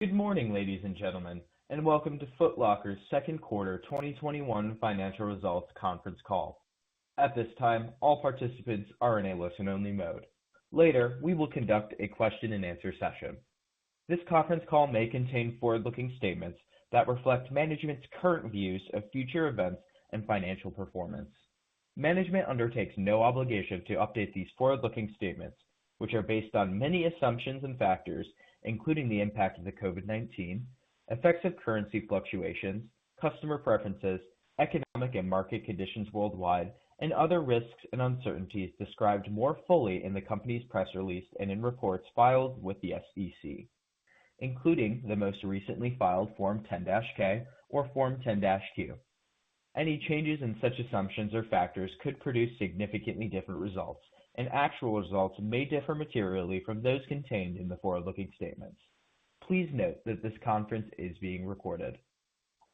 Good morning, ladies and gentlemen, welcome to Foot Locker's Second Quarter 2021 Financial Results Conference Call. At this time, all participants are in a listen-only mode. Later, we will conduct a question-and-answer session. This conference call may contain forward-looking statements that reflect management's current views of future events and financial performance. Management undertakes no obligation to update these forward-looking statements, which are based on many assumptions and factors, including the impact of the COVID-19, effects of currency fluctuations, customer preferences, economic and market conditions worldwide, and other risks and uncertainties described more fully in the company's press release and in reports filed with the SEC, including the most recently filed Form 10-K or Form 10-Q. Any changes in such assumptions or factors could produce significantly different results, and actual results may differ materially from those contained in the forward-looking statements. Please note that this conference is being recorded.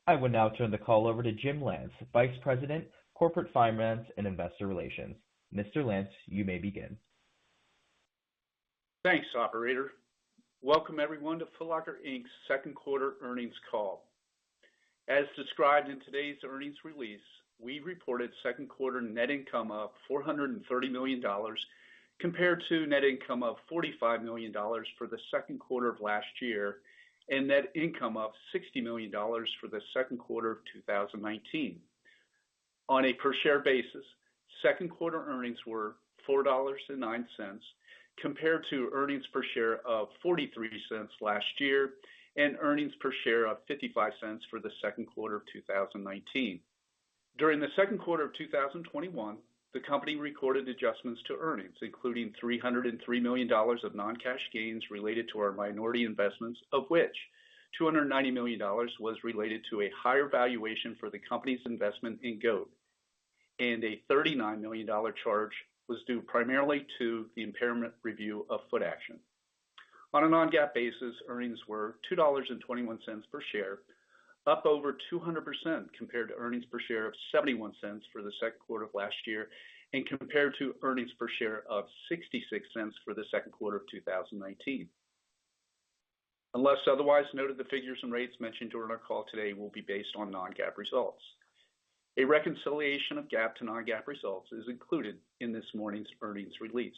I will now turn the call over to Jim Lance, Vice President, Corporate Finance and Investor Relations. Mr. Lance, you may begin. Thanks, operator. Welcome, everyone, to Foot Locker, Inc.'s Second Quarter Earnings Call. As described in today's earnings release, we reported second quarter net income of $430 million compared to net income of $45 million for the second quarter of last year, and net income of $60 million for the second quarter of 2019. On a per share basis, second quarter earnings were $4.09 compared to earnings per share of $0.43 last year, and earnings per share of $0.55 for the second quarter of 2019. During the second quarter of 2021, the company recorded adjustments to earnings, including $303 million of non-cash gains related to our minority investments, of which $290 million was related to a higher valuation for the company's investment in GOAT, and a $39 million charge was due primarily to the impairment review of Footaction. On a non-GAAP basis, earnings were $2.21 per share, up over 200% compared to earnings per share of $0.71 for the second quarter of last year and compared to earnings per share of $0.66 for the second quarter of 2019. Unless otherwise noted, the figures and rates mentioned during our call today will be based on non-GAAP results. A reconciliation of GAAP to non-GAAP results is included in this morning's earnings release.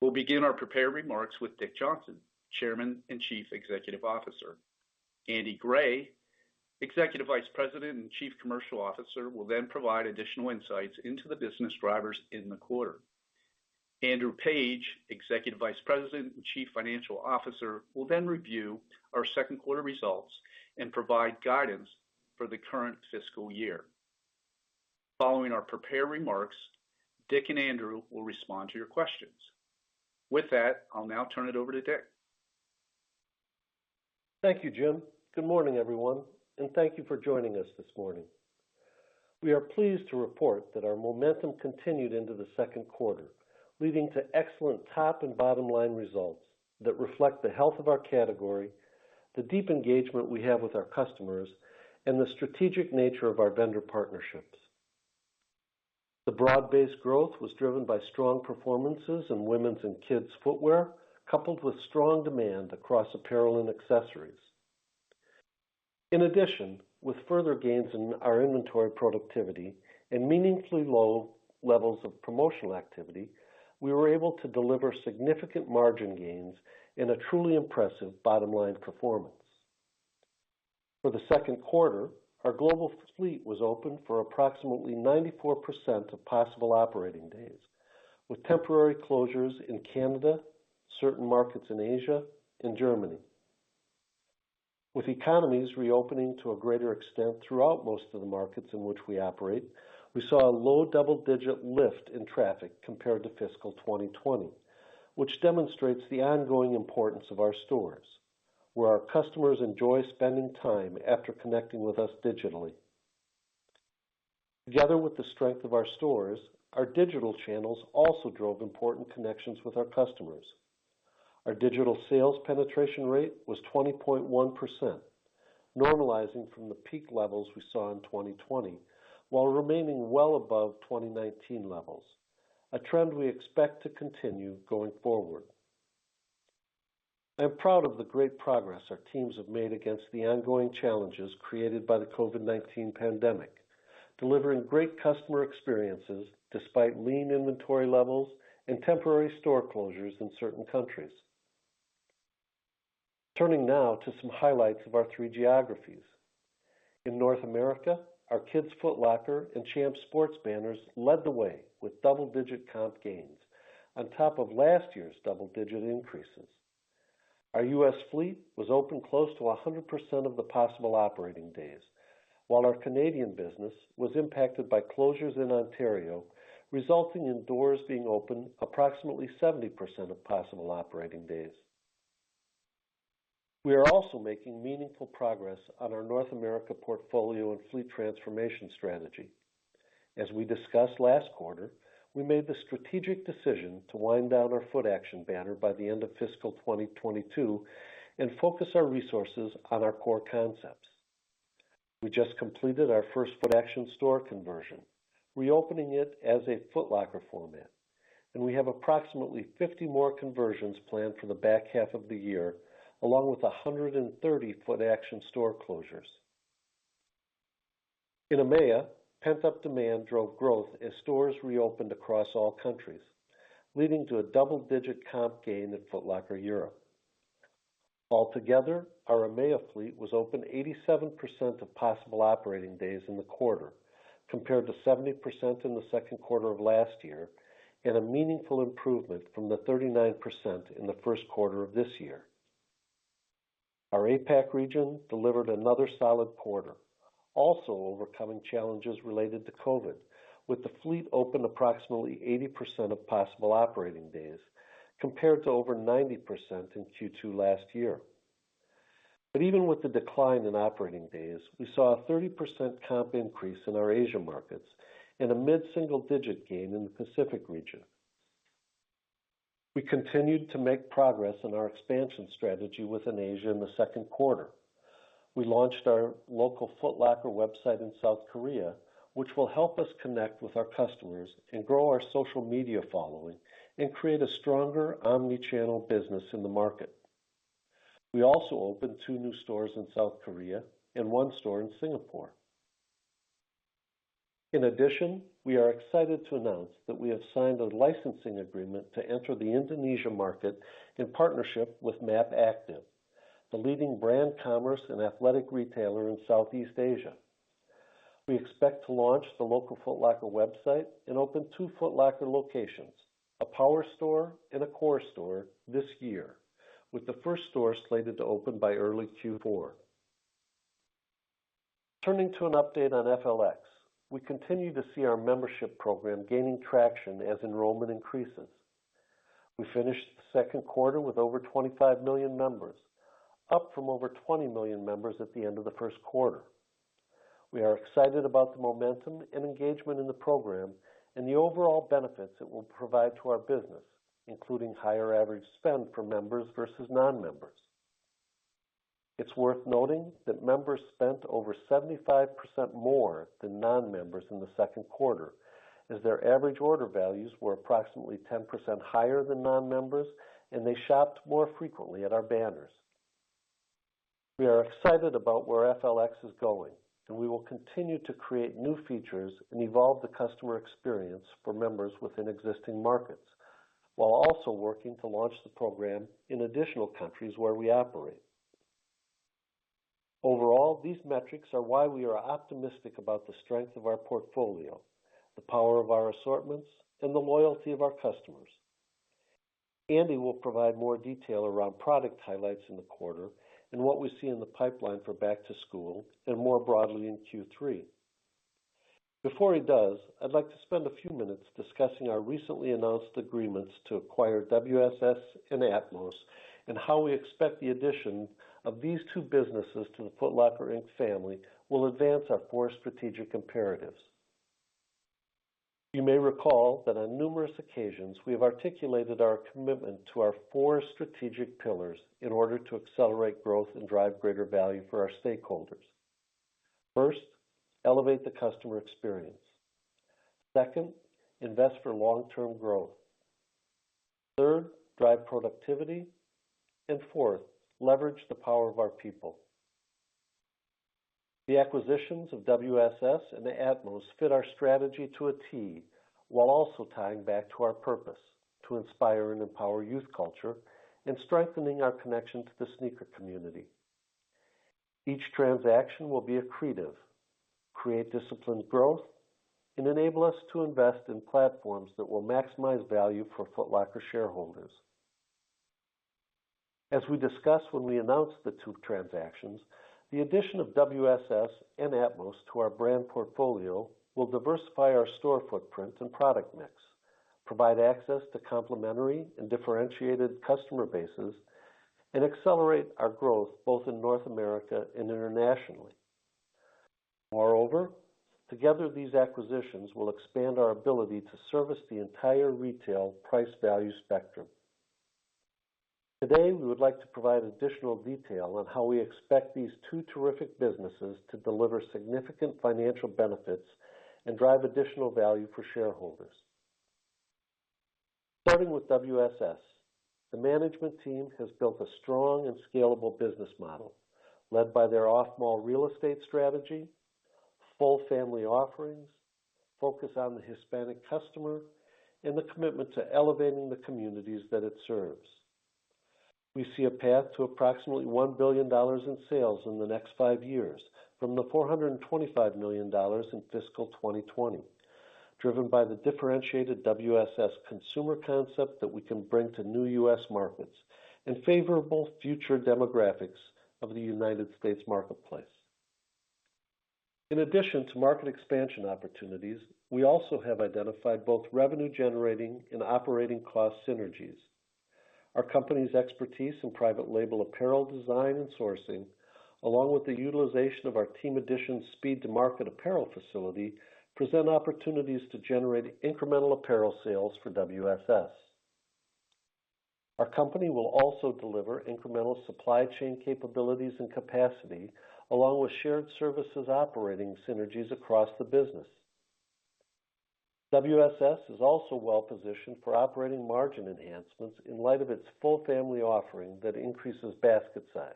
We'll begin our prepared remarks with Dick Johnson, Chairman and Chief Executive Officer. Andy Gray, Executive Vice President and Chief Commercial Officer, will then provide additional insights into the business drivers in the quarter. Andrew Page, Executive Vice President and Chief Financial Officer, will then review our second quarter results and provide guidance for the current fiscal year. Following our prepared remarks, Dick and Andrew will respond to your questions. With that, I'll now turn it over to Dick. Thank you, Jim. Good morning, everyone, and thank you for joining us this morning. We are pleased to report that our momentum continued into the second quarter, leading to excellent top-line and bottom-line results that reflect the health of our category, the deep engagement we have with our customers, and the strategic nature of our vendor partnerships. The broad-based growth was driven by strong performances in women's and kids footwear, coupled with strong demand across apparel and accessories. In addition, with further gains in our inventory productivity and meaningfully low levels of promotional activity, we were able to deliver significant margin gains in a truly impressive bottom-line performance. For the second quarter, our global fleet was open for approximately 94% of possible operating days, with temporary closures in Canada, certain markets in Asia, and Germany. With economies reopening to a greater extent throughout most of the markets in which we operate, we saw a low double-digit lift in traffic compared to fiscal 2020, which demonstrates the ongoing importance of our stores, where our customers enjoy spending time after connecting with us digitally. Together with the strength of our stores, our digital channels also drove important connections with our customers. Our digital sales penetration rate was 20.1%, normalizing from the peak levels we saw in 2020, while remaining well above 2019 levels, a trend we expect to continue going forward. I am proud of the great progress our teams have made against the ongoing challenges created by the COVID-19 pandemic, delivering great customer experiences despite lean inventory levels and temporary store closures in certain countries. Turning now to some highlights of our three geographies. In North America, our Kids Foot Locker and Champs Sports banners led the way with double-digit comp gains on top of last year's double-digit increases. Our U.S. fleet was open close to 100% of the possible operating days, while our Canadian business was impacted by closures in Ontario, resulting in doors being open approximately 70% of possible operating days. We are also making meaningful progress on our North America portfolio and fleet transformation strategy. As we discussed last quarter, we made the strategic decision to wind down our Footaction banner by the end of fiscal 2022 and focus our resources on our core concepts. We just completed our first Footaction store conversion, reopening it as a Foot Locker format, and we have approximately 50 more conversions planned for the back half of the year, along with 130 Footaction store closures. In EMEA, pent-up demand drove growth as stores reopened across all countries, leading to a double-digit comp gain at Foot Locker Europe. Altogether, our EMEA fleet was open 87% of possible operating days in the quarter, compared to 70% in the second quarter of last year, and a meaningful improvement from the 39% in the first quarter of this year. Our APAC region delivered another solid quarter, also overcoming challenges related to COVID, with the fleet open approximately 80% of possible operating days, compared to over 90% in Q2 last year. Even with the decline in operating days, we saw a 30% comp increase in our Asia markets and a mid-single-digit gain in the Pacific region. We continued to make progress on our expansion strategy within Asia in the second quarter. We launched our local Foot Locker website in South Korea, which will help us connect with our customers and grow our social media following and create a stronger omni-channel business in the market. We also opened two new stores in South Korea and one store in Singapore. In addition, we are excited to announce that we have signed a licensing agreement to enter the Indonesia market in partnership with MAP Active, the leading brand commerce and athletic retailer in Southeast Asia. We expect to launch the local Foot Locker website and open two Foot Locker locations, a power store and a core store this year, with the first store slated to open by early Q4. Turning to an update on FLX, we continue to see our membership program gaining traction as enrollment increases. We finished the second quarter with over 25 million members, up from over 20 million members at the end of the first quarter. We are excited about the momentum and engagement in the program and the overall benefits it will provide to our business, including higher average spend for members versus non-members. It's worth noting that members spent over 75% more than non-members in the second quarter as their average order values were approximately 10% higher than non-members and they shopped more frequently at our banners. We are excited about where FLX is going, and we will continue to create new features and evolve the customer experience for members within existing markets while also working to launch the program in additional countries where we operate. Overall, these metrics are why we are optimistic about the strength of our portfolio, the power of our assortments, and the loyalty of our customers. Andy will provide more detail around product highlights in the quarter and what we see in the pipeline for back to school and more broadly in Q3. Before he does, I'd like to spend a few minutes discussing our recently announced agreements to acquire WSS and Atmos and how we expect the addition of these two businesses to the Foot Locker, Inc. family will advance our four strategic imperatives. You may recall that on numerous occasions we have articulated our commitment to our four strategic pillars in order to accelerate growth and drive greater value for our stakeholders. First, elevate the customer experience. Second, invest for long-term growth. Third, drive productivity. Fourth, leverage the power of our people. The acquisitions of WSS and Atmos fit our strategy to a T while also tying back to our purpose to inspire and empower youth culture and strengthening our connection to the sneaker community. Each transaction will be accretive, create disciplined growth, and enable us to invest in platforms that will maximize value for Foot Locker shareholders. As we discussed when we announced the two transactions, the addition of WSS and Atmos to our brand portfolio will diversify our store footprint and product mix, provide access to complementary and differentiated customer bases, and accelerate our growth both in North America and internationally. Moreover, together these acquisitions will expand our ability to service the entire retail price-value spectrum. Today, we would like to provide additional detail on how we expect these two terrific businesses to deliver significant financial benefits and drive additional value for shareholders. Starting with WSS, the management team has built a strong and scalable business model led by their off-mall real estate strategy, full family offerings, focus on the Hispanic customer, and the commitment to elevating the communities that it serves. We see a path to approximately $1 billion in sales in the next five years from the $425 million in fiscal 2020, driven by the differentiated WSS consumer concept that we can bring to new U.S. markets and favorable future demographics of the United States marketplace. In addition to market expansion opportunities, we also have identified both revenue-generating and operating cost synergies. Our company's expertise in private label apparel design and sourcing, along with the utilization of our Team Edition speed-to-market apparel facility, present opportunities to generate incremental apparel sales for WSS. Our company will also deliver incremental supply chain capabilities and capacity, along with shared services operating synergies across the business. WSS is also well-positioned for operating margin enhancements in light of its full family offering that increases basket size,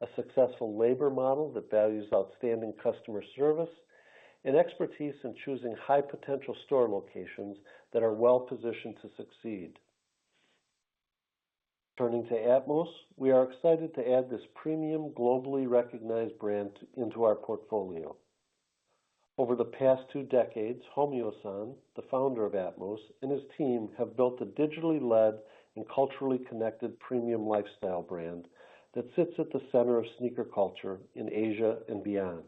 a successful labor model that values outstanding customer service, and expertise in choosing high-potential store locations that are well-positioned to succeed. Turning to Atmos, we are excited to add this premium, globally recognized brand into our portfolio. Over the past two decades, Hommyo-san, the founder of Atmos, and his team have built a digitally led and culturally connected premium lifestyle brand that sits at the center of sneaker culture in Asia and beyond.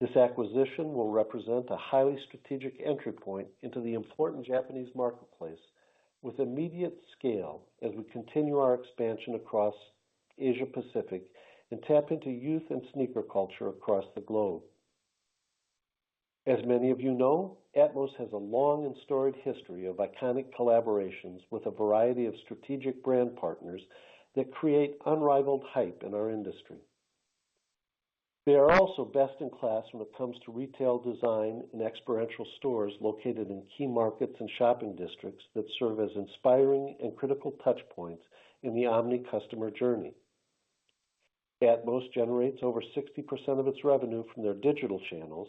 This acquisition will represent a highly strategic entry point into the important Japanese marketplace with immediate scale as we continue our expansion across Asia Pacific and tap into youth and sneaker culture across the globe. As many of you know, Atmos has a long and storied history of iconic collaborations with a variety of strategic brand partners that create unrivaled hype in our industry. They are also best in class when it comes to retail design and experiential stores located in key markets and shopping districts that serve as inspiring and critical touchpoints in the omni customer journey. Atmos generates over 60% of its revenue from their digital channels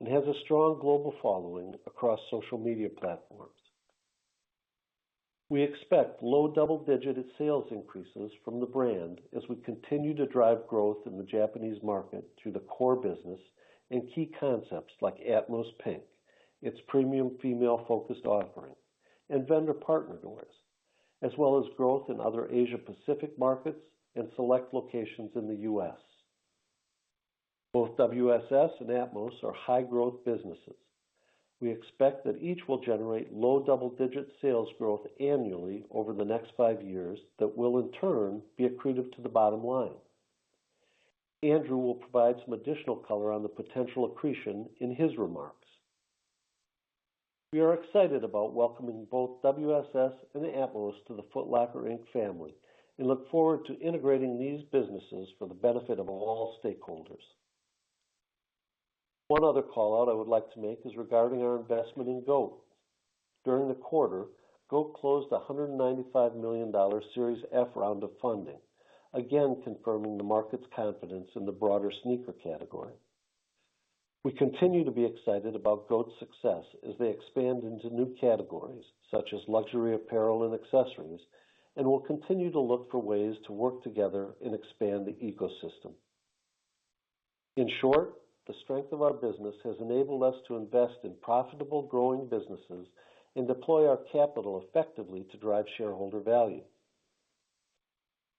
and has a strong global following across social media platforms. We expect low double-digit sales increases from the brand as we continue to drive growth in the Japanese market through the core business and key concepts like Atmos Pink, its premium female-focused offering, and vendor partner doors, as well as growth in other Asia Pacific markets and select locations in the U.S. Both WSS and Atmos are high-growth businesses. We expect that each will generate low double-digit sales growth annually over the next five years that will, in turn, be accretive to the bottom line. Andrew will provide some additional color on the potential accretion in his remarks. We are excited about welcoming both WSS and Atmos to the Foot Locker, Inc. family and look forward to integrating these businesses for the benefit of all stakeholders. One other call-out I would like to make is regarding our investment in GOAT. During the quarter, GOAT closed a $195 million Series F round of funding, again confirming the market's confidence in the broader sneaker category. We continue to be excited about GOAT's success as they expand into new categories such as luxury apparel and accessories, and we'll continue to look for ways to work together and expand the ecosystem. In short, the strength of our business has enabled us to invest in profitable growing businesses and deploy our capital effectively to drive shareholder value.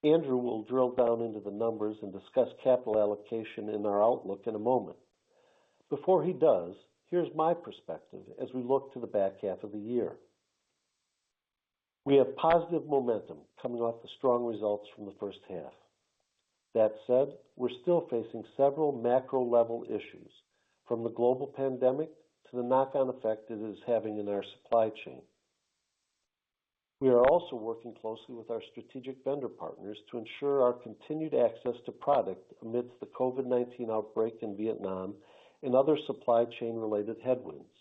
Andrew will drill down into the numbers and discuss capital allocation in our outlook in a moment. Before he does, here's my perspective as we look to the back half of the year. We have positive momentum coming off the strong results from the first half. That said, we're still facing several macro-level issues, from the global pandemic to the knock-on effect it is having on our supply chain. We are also working closely with our strategic vendor partners to ensure our continued access to product amidst the COVID-19 outbreak in Vietnam and other supply chain-related headwinds.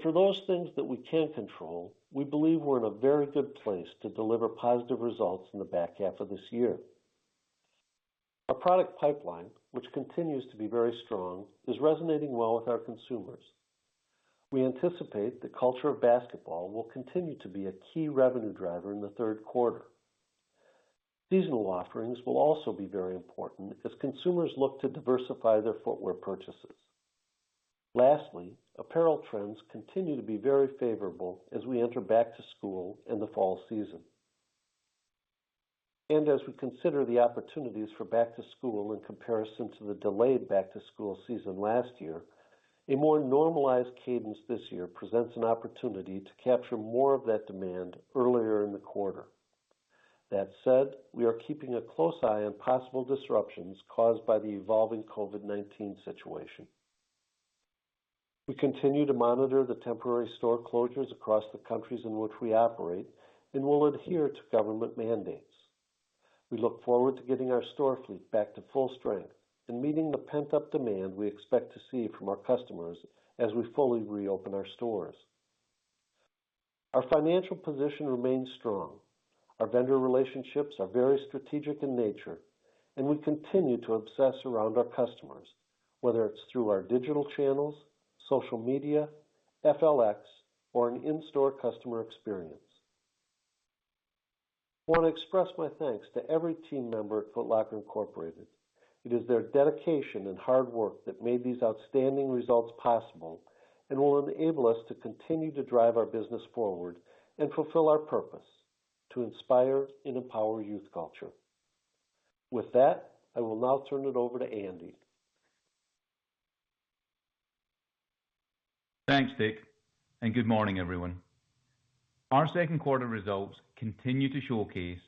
For those things that we can control, we believe we're in a very good place to deliver positive results in the back half of this year. Our product pipeline, which continues to be very strong, is resonating well with our consumers. We anticipate the culture of basketball will continue to be a key revenue driver in the third quarter. Seasonal offerings will also be very important as consumers look to diversify their footwear purchases. Lastly, apparel trends continue to be very favorable as we enter back to school and the fall season. As we consider the opportunities for back to school in comparison to the delayed back to school season last year, a more normalized cadence this year presents an opportunity to capture more of that demand earlier in the quarter. That said, we are keeping a close eye on possible disruptions caused by the evolving COVID-19 situation. We continue to monitor the temporary store closures across the countries in which we operate and will adhere to government mandates. We look forward to getting our store fleet back to full strength and meeting the pent-up demand we expect to see from our customers as we fully reopen our stores. Our financial position remains strong. Our vendor relationships are very strategic in nature, and we continue to obsess around our customers, whether it's through our digital channels, social media, FLX, or an in-store customer experience. I want to express my thanks to every team member at Foot Locker, Inc. It is their dedication and hard work that made these outstanding results possible and will enable us to continue to drive our business forward and fulfill our purpose to inspire and empower youth culture. With that, I will now turn it over to Andy. Thanks, Dick, and good morning, everyone. Our second quarter results continue to showcase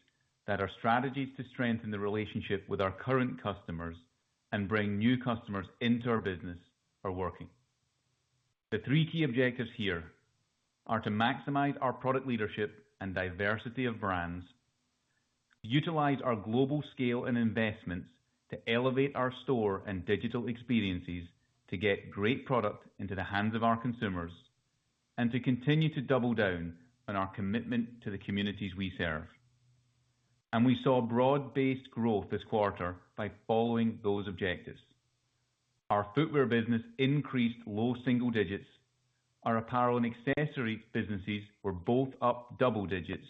that our strategies to strengthen the relationship with our current customers and bring new customers into our business are working. The three key objectives here are to maximize our product leadership and diversity of brands, utilize our global scale and investments to elevate our store and digital experiences to get great product into the hands of our consumers, and to continue to double down on our commitment to the communities we serve. We saw broad-based growth this quarter by following those objectives. Our footwear business increased low single digits. Our apparel and accessory businesses were both up double digits,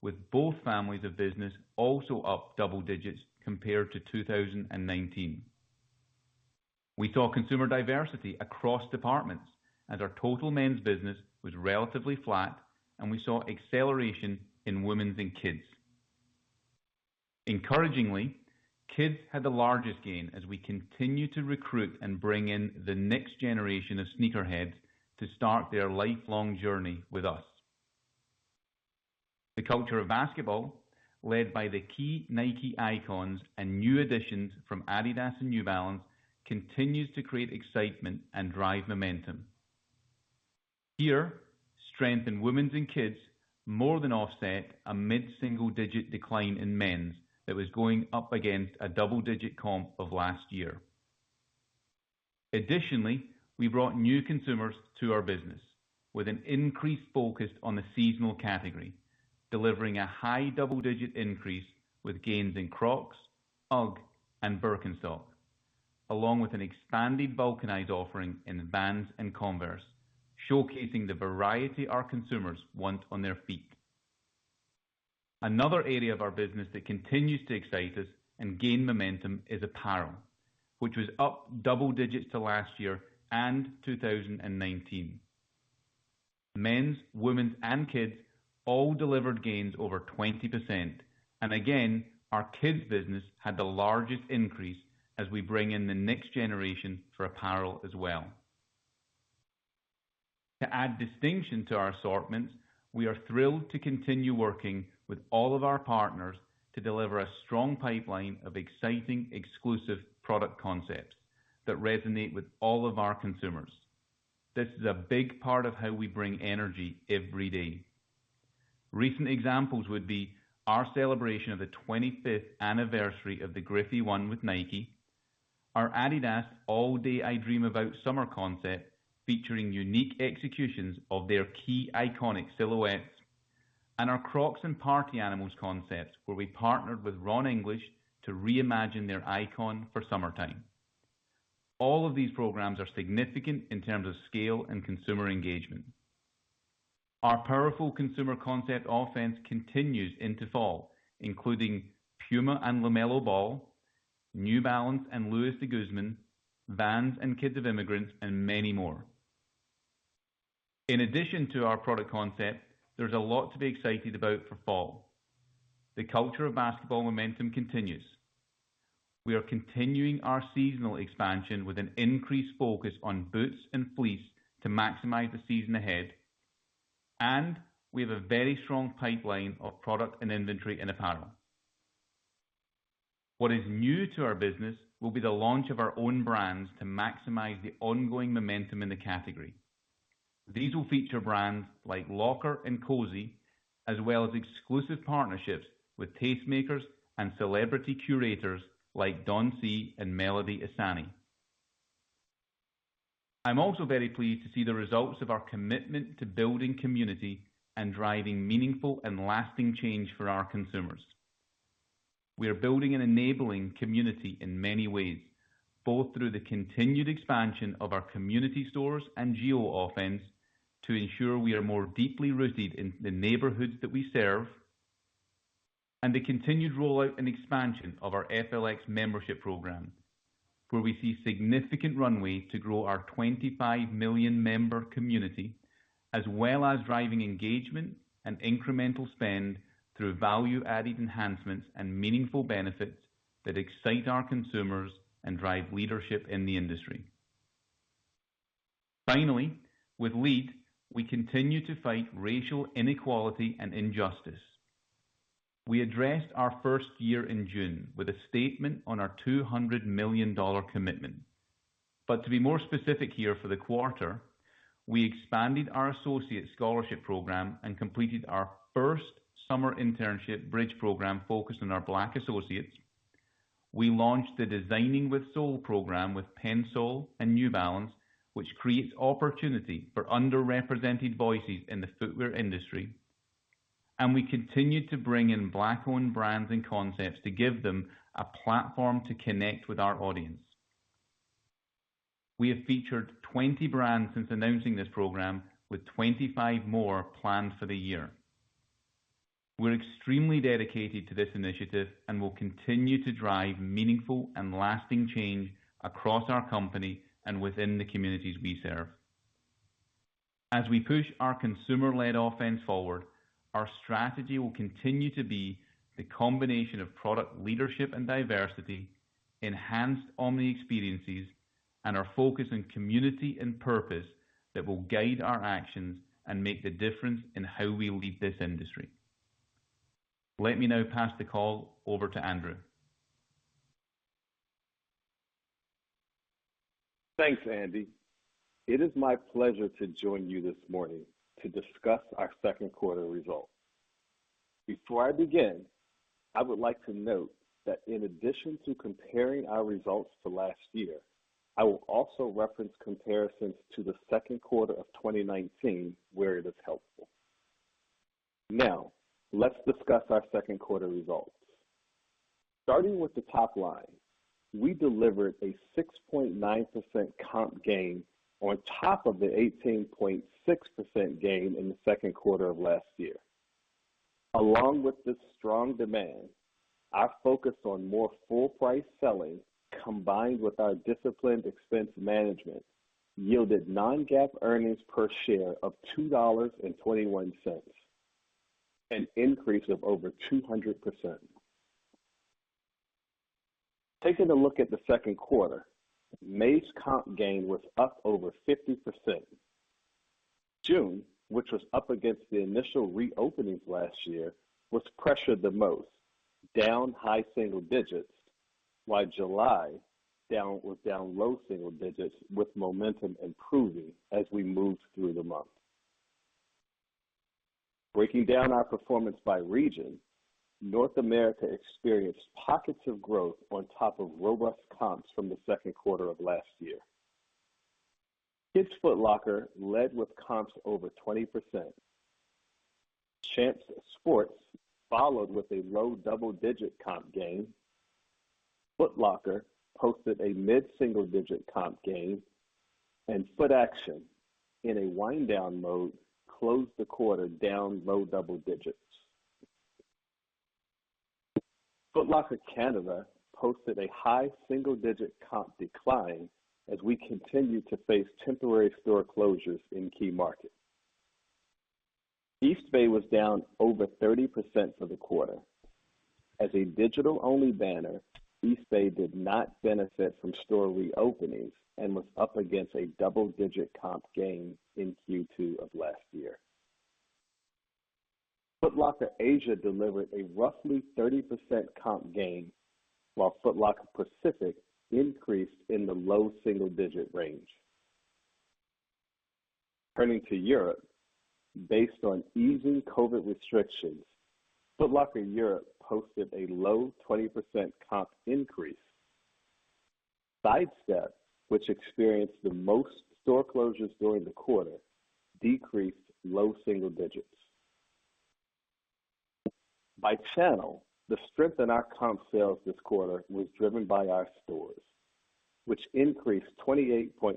with both families of business also up double digits compared to 2019. We saw consumer diversity across departments, and our total men's business was relatively flat, and we saw acceleration in women's and kids. Encouragingly, kids had the largest gain as we continue to recruit and bring in the next generation of sneakerheads to start their lifelong journey with us. The culture of basketball, led by the key Nike icons and new additions from Adidas and New Balance, continues to create excitement and drive momentum. Here, strength in women's and kids more than offset a mid-single-digit decline in men's that was going up against a double-digit comp of last year. Additionally, we brought new consumers to our business with an increased focus on the seasonal category, delivering a high double-digit increase with gains in Crocs, UGG, and Birkenstock, along with an expanded vulcanized offering in Vans and Converse, showcasing the variety our consumers want on their feet. Another area of our business that continues to excite us and gain momentum is apparel, which was up double digits to last year and 2019. Men's, women's, and kids all delivered gains over 20%. Again, our kids business had the largest increase as we bring in the next generation for apparel as well. To add distinction to our assortments, we are thrilled to continue working with all of our partners to deliver a strong pipeline of exciting exclusive product concepts that resonate with all of our consumers. This is a big part of how we bring energy every day. Recent examples would be our celebration of the 25th anniversary of the Griffey 1 with Nike, our Adidas All Day I Dream About Summer concept featuring unique executions of their key iconic silhouettes, and our Crocs and Party Animals concepts, where we partnered with Ron English to reimagine their icon for summertime. All of these programs are significant in terms of scale and consumer engagement. Our powerful consumer concept offense continues into fall, including Puma and LaMelo Ball, New Balance and Louis De Guzman, Vans and Kids of Immigrants, and many more. In addition to our product concept, there's a lot to be excited about for fall. The culture of basketball momentum continues. We are continuing our seasonal expansion with an increased focus on boots and fleece to maximize the season ahead, and we have a very strong pipeline of product and inventory in apparel. What is new to our business will be the launch of our own brands to maximize the ongoing momentum in the category. These will feature brands like LCKR and Cozi, as well as exclusive partnerships with tastemakers and celebrity curators like Don C and Melody Ehsani. I'm also very pleased to see the results of our commitment to building community and driving meaningful and lasting change for our consumers. We are building an enabling community in many ways, both through the continued expansion of our community stores and geofence to ensure we are more deeply rooted in the neighborhoods that we serve, and the continued rollout and expansion of our FLX membership program, where we see significant runway to grow our 25 million member community, as well as driving engagement and incremental spend through value-added enhancements and meaningful benefits that excite our consumers and drive leadership in the industry. Finally, with LEAD, we continue to fight racial inequality and injustice. We addressed our first year in June with a statement on our $200 million commitment. To be more specific here for the quarter, we expanded our associate scholarship program and completed our first summer internship bridge program focused on our Black associates. We launched the Designing with Sole program with PENSOLE and New Balance, which creates opportunity for underrepresented voices in the footwear industry. We continued to bring in Black-owned brands and concepts to give them a platform to connect with our audience. We have featured 20 brands since announcing this program, with 25 more planned for the year. We're extremely dedicated to this initiative and will continue to drive meaningful and lasting change across our company and within the communities we serve. As we push our consumer-led offense forward, our strategy will continue to be the combination of product leadership and diversity, enhanced omni experiences, and our focus on community and purpose that will guide our actions and make the difference in how we lead this industry. Let me now pass the call over to Andrew. Thanks, Andy. It is my pleasure to join you this morning to discuss our second quarter results. Before I begin, I would like to note that in addition to comparing our results to last year, I will also reference comparisons to the second quarter of 2019 where it is helpful. Now, let's discuss our second quarter results. Starting with the top line, we delivered a 6.9% comp gain on top of the 18.6% gain in the second quarter of last year. Along with this strong demand, our focus on more full price selling, combined with our disciplined expense management, yielded non-GAAP EPS of $2.21, an increase of over 200%. Taking a look at the second quarter, May's comp gain was up over 50%. June, which was up against the initial reopenings last year, was pressured the most, down high single digits, while July was down low single digits with momentum improving as we moved through the month. Breaking down our performance by region, North America experienced pockets of growth on top of robust comps from the second quarter of last year. Kids Foot Locker led with comps over 20%. Champs Sports followed with a low double-digit comp gain. Foot Locker posted a mid-single digit comp gain, and Footaction, in a wind-down mode, closed the quarter down low double digits. Foot Locker Canada posted a high single-digit comp decline as we continue to face temporary store closures in key markets. Eastbay was down over 30% for the quarter. As a digital-only banner, Eastbay did not benefit from store reopenings and was up against a double-digit comp gain in Q2 of last year. Foot Locker Asia delivered a roughly 30% comp gain, while Foot Locker Pacific increased in the low single-digit range. Turning to Europe, based on easing COVID restrictions, Foot Locker Europe posted a low 20% comp increase. Sidestep, which experienced the most store closures during the quarter, decreased low single digits. By channel, the strength in our comp sales this quarter was driven by our stores, which increased 28.4%.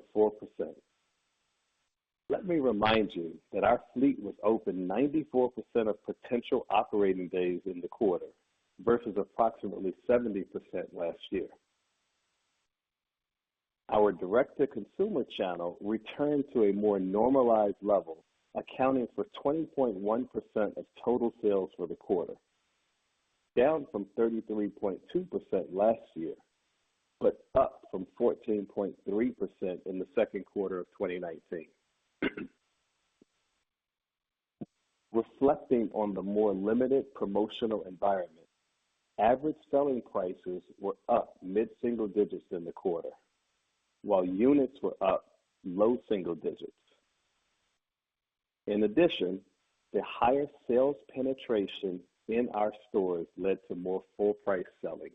Let me remind you that our fleet was open 94% of potential operating days in the quarter versus approximately 70% last year. Our direct-to-consumer channel returned to a more normalized level, accounting for 20.1% of total sales for the quarter, down from 33.2% last year, but up from 14.3% in the second quarter of 2019. Reflecting on the more limited promotional environment, average selling prices were up mid-single digits in the quarter, while units were up low single digits. In addition, the higher sales penetration in our stores led to more full price selling.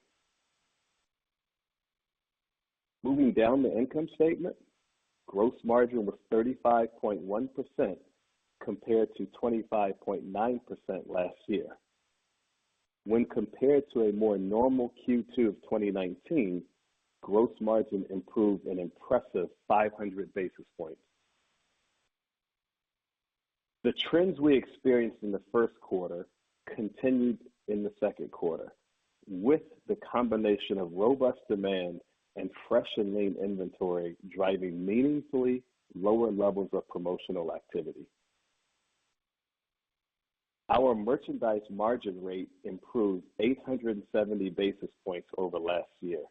Moving down the income statement, gross margin was 35.1% compared to 25.9% last year. When compared to a more normal Q2 of 2019, gross margin improved an impressive 500 basis points. The trends we experienced in the first quarter continued in the second quarter with the combination of robust demand and fresh in-line inventory driving meaningfully lower levels of promotional activity. Our merchandise margin rate improved 870 basis points over last year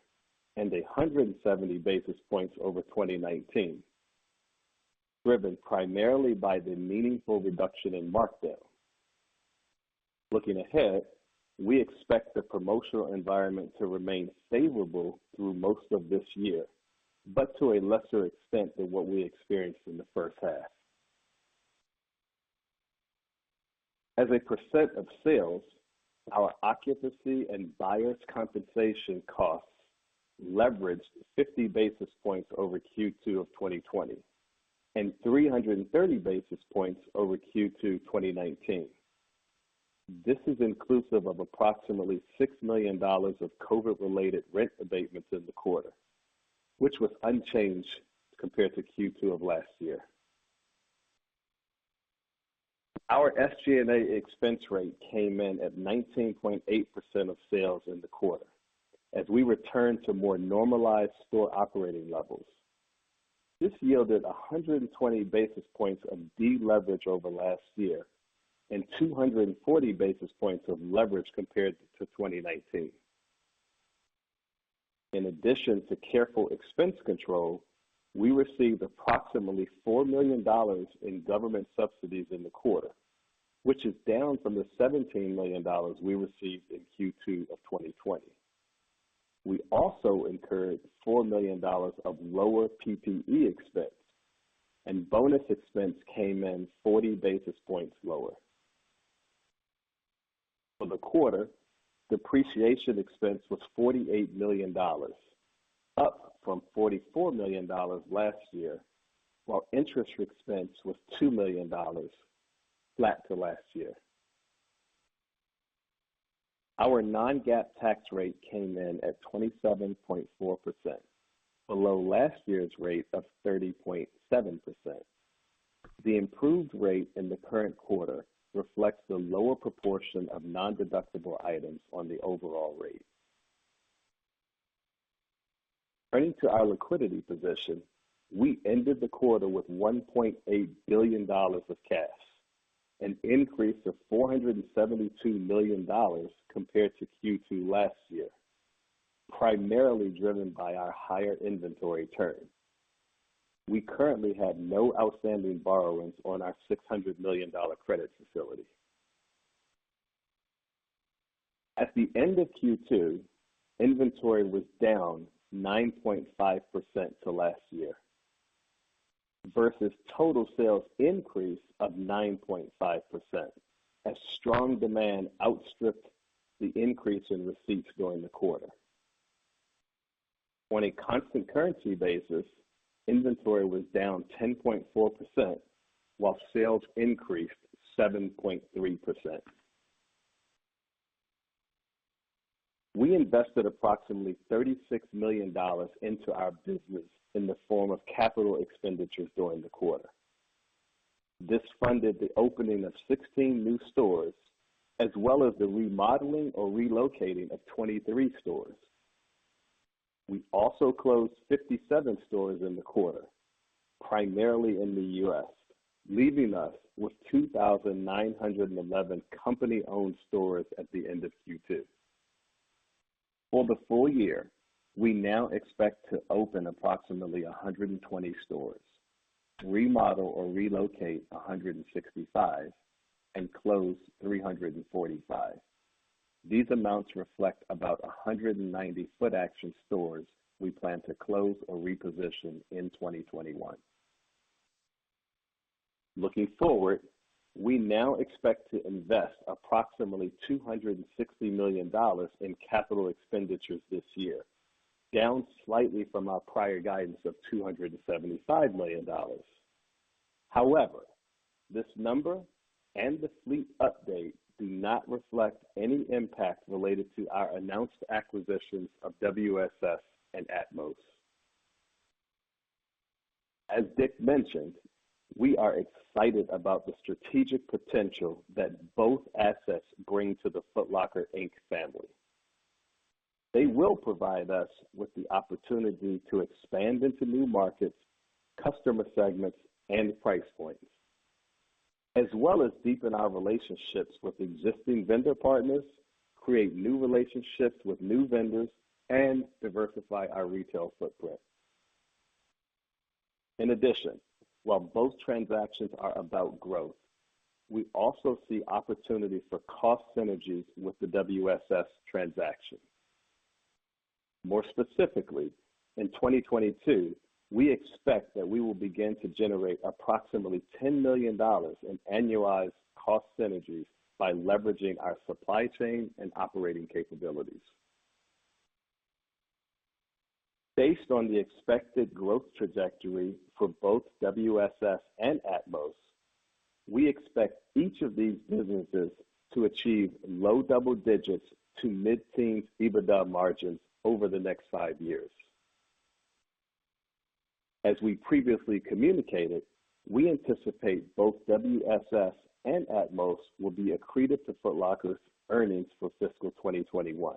and 170 basis points over 2019, driven primarily by the meaningful reduction in markdowns. Looking ahead, we expect the promotional environment to remain favorable through most of this year, but to a lesser extent than what we experienced in the first half. As a percent of sales, our occupancy and buyer compensation costs leveraged 50 basis points over Q2 2020 and 330 basis points over Q2 2019. This is inclusive of approximately $6 million of COVID-related rent abatements in the quarter, which was unchanged compared to Q2 last year. Our SG&A expense rate came in at 19.8% of sales in the quarter as we return to more normalized store operating levels. This yielded 120 basis points of deleverage over last year and 240 basis points of leverage compared to 2019. In addition to careful expense control, we received approximately $4 million in government subsidies in the quarter, which is down from the $17 million we received in Q2 2020. We also incurred $4 million of lower PPE expense, and bonus expense came in 40 basis points lower. For the quarter, depreciation expense was $48 million, up from $44 million last year, while interest expense was $2 million, flat to last year. Our non-GAAP tax rate came in at 27.4%, below last year's rate of 30.7%. The improved rate in the current quarter reflects the lower proportion of non-deductible items on the overall rate. Turning to our liquidity position, we ended the quarter with $1.8 billion of cash, an increase of $472 million compared to Q2 last year, primarily driven by our higher inventory turn. We currently have no outstanding borrowings on our $600 million credit facility. At the end of Q2, inventory was down 9.5% to last year versus total sales increase of 9.5%, as strong demand outstripped the increase in receipts during the quarter. On a constant currency basis, inventory was down 10.4%, while sales increased 7.3%. We invested $36 million into our business in the form of capital expenditures during the quarter. This funded the opening of 16 new stores, as well as the remodeling or relocating of 23 stores. We also closed 57 stores in the quarter, primarily in the U.S., leaving us with 2,911 company-owned stores at the end of Q2. For the full year, we now expect to open 120 stores, remodel or relocate 165, and close 345. These amounts reflect about 190 Footaction stores we plan to close or reposition in 2021. Looking forward, we now expect to invest $260 million in capital expenditures this year, down slightly from our prior guidance of $275 million. This number and the fleet update do not reflect any impact related to our announced acquisitions of WSS and Atmos. As Dick mentioned, we are excited about the strategic potential that both assets bring to the Foot Locker, Inc. family. They will provide us with the opportunity to expand into new markets, customer segments, and price points, as well as deepen our relationships with existing vendor partners, create new relationships with new vendors, and diversify our retail footprint. In addition, while both transactions are about growth, we also see opportunity for cost synergies with the WSS transaction. More specifically, in 2022, we expect that we will begin to generate approximately $10 million in annualized cost synergies by leveraging our supply chain and operating capabilities. Based on the expected growth trajectory for both WSS and Atmos, we expect each of these businesses to achieve low double digits to mid-teens EBITDA margins over the next five years. As we previously communicated, we anticipate both WSS and Atmos will be accretive to Foot Locker's earnings for fiscal 2021.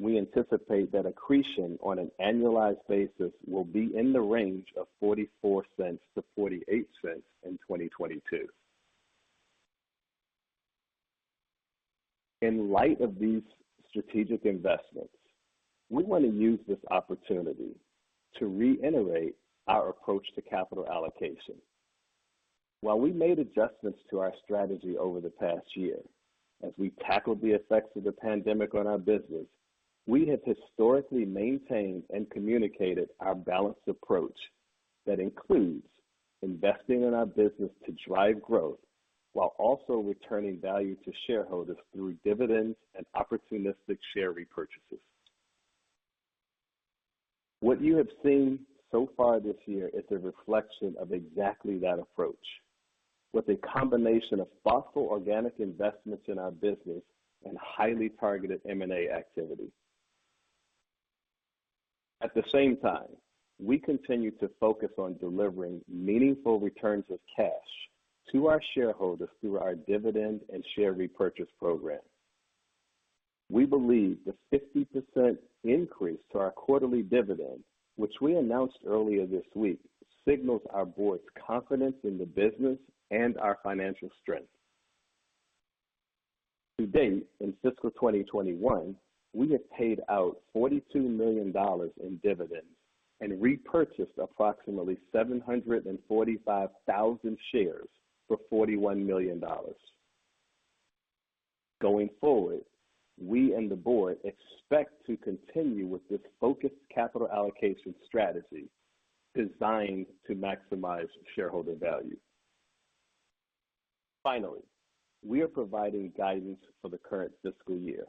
We anticipate that accretion on an annualized basis will be in the range of $0.44-$0.48 in 2022. In light of these strategic investments, we want to use this opportunity to re-innovate our approach to capital allocation. While we made adjustments to our strategy over the past year, as we tackled the effects of the pandemic on our business, we have historically maintained and communicated our balanced approach that includes investing in our business to drive growth while also returning value to shareholders through dividends and opportunistic share repurchases. What you have seen so far this year is a reflection of exactly that approach, with a combination of thoughtful organic investments in our business and highly targeted M&A activity. At the same time, we continue to focus on delivering meaningful returns of cash to our shareholders through our dividend and share repurchase program. We believe the 50% increase to our quarterly dividend, which we announced earlier this week, signals our board's confidence in the business and our financial strength. To date, in fiscal 2021, we have paid out $42 million in dividends and repurchased approximately 745,000 shares for $41 million. Going forward, we and the board expect to continue with this focused capital allocation strategy designed to maximize shareholder value. Finally, we are providing guidance for the current fiscal year.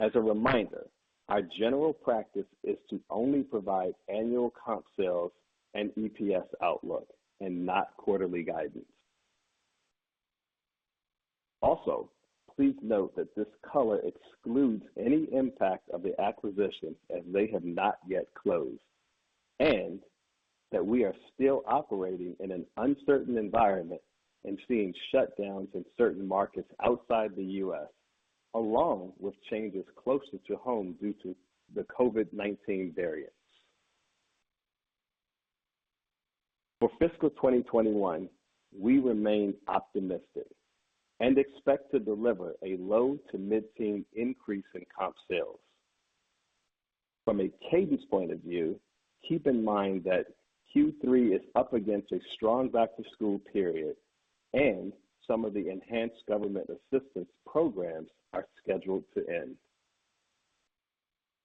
As a reminder, our general practice is to only provide annual comp sales and EPS outlook and not quarterly guidance. Also, please note that this color excludes any impact of the acquisition as they have not yet closed, and that we are still operating in an uncertain environment and seeing shutdowns in certain markets outside the U.S., along with changes closer to home due to the COVID-19 variants. For fiscal 2021, we remain optimistic and expect to deliver a low to mid-teen increase in comp sales. From a cadence point of view, keep in mind that Q3 is up against a strong back-to-school period and some of the enhanced government assistance programs are scheduled to end.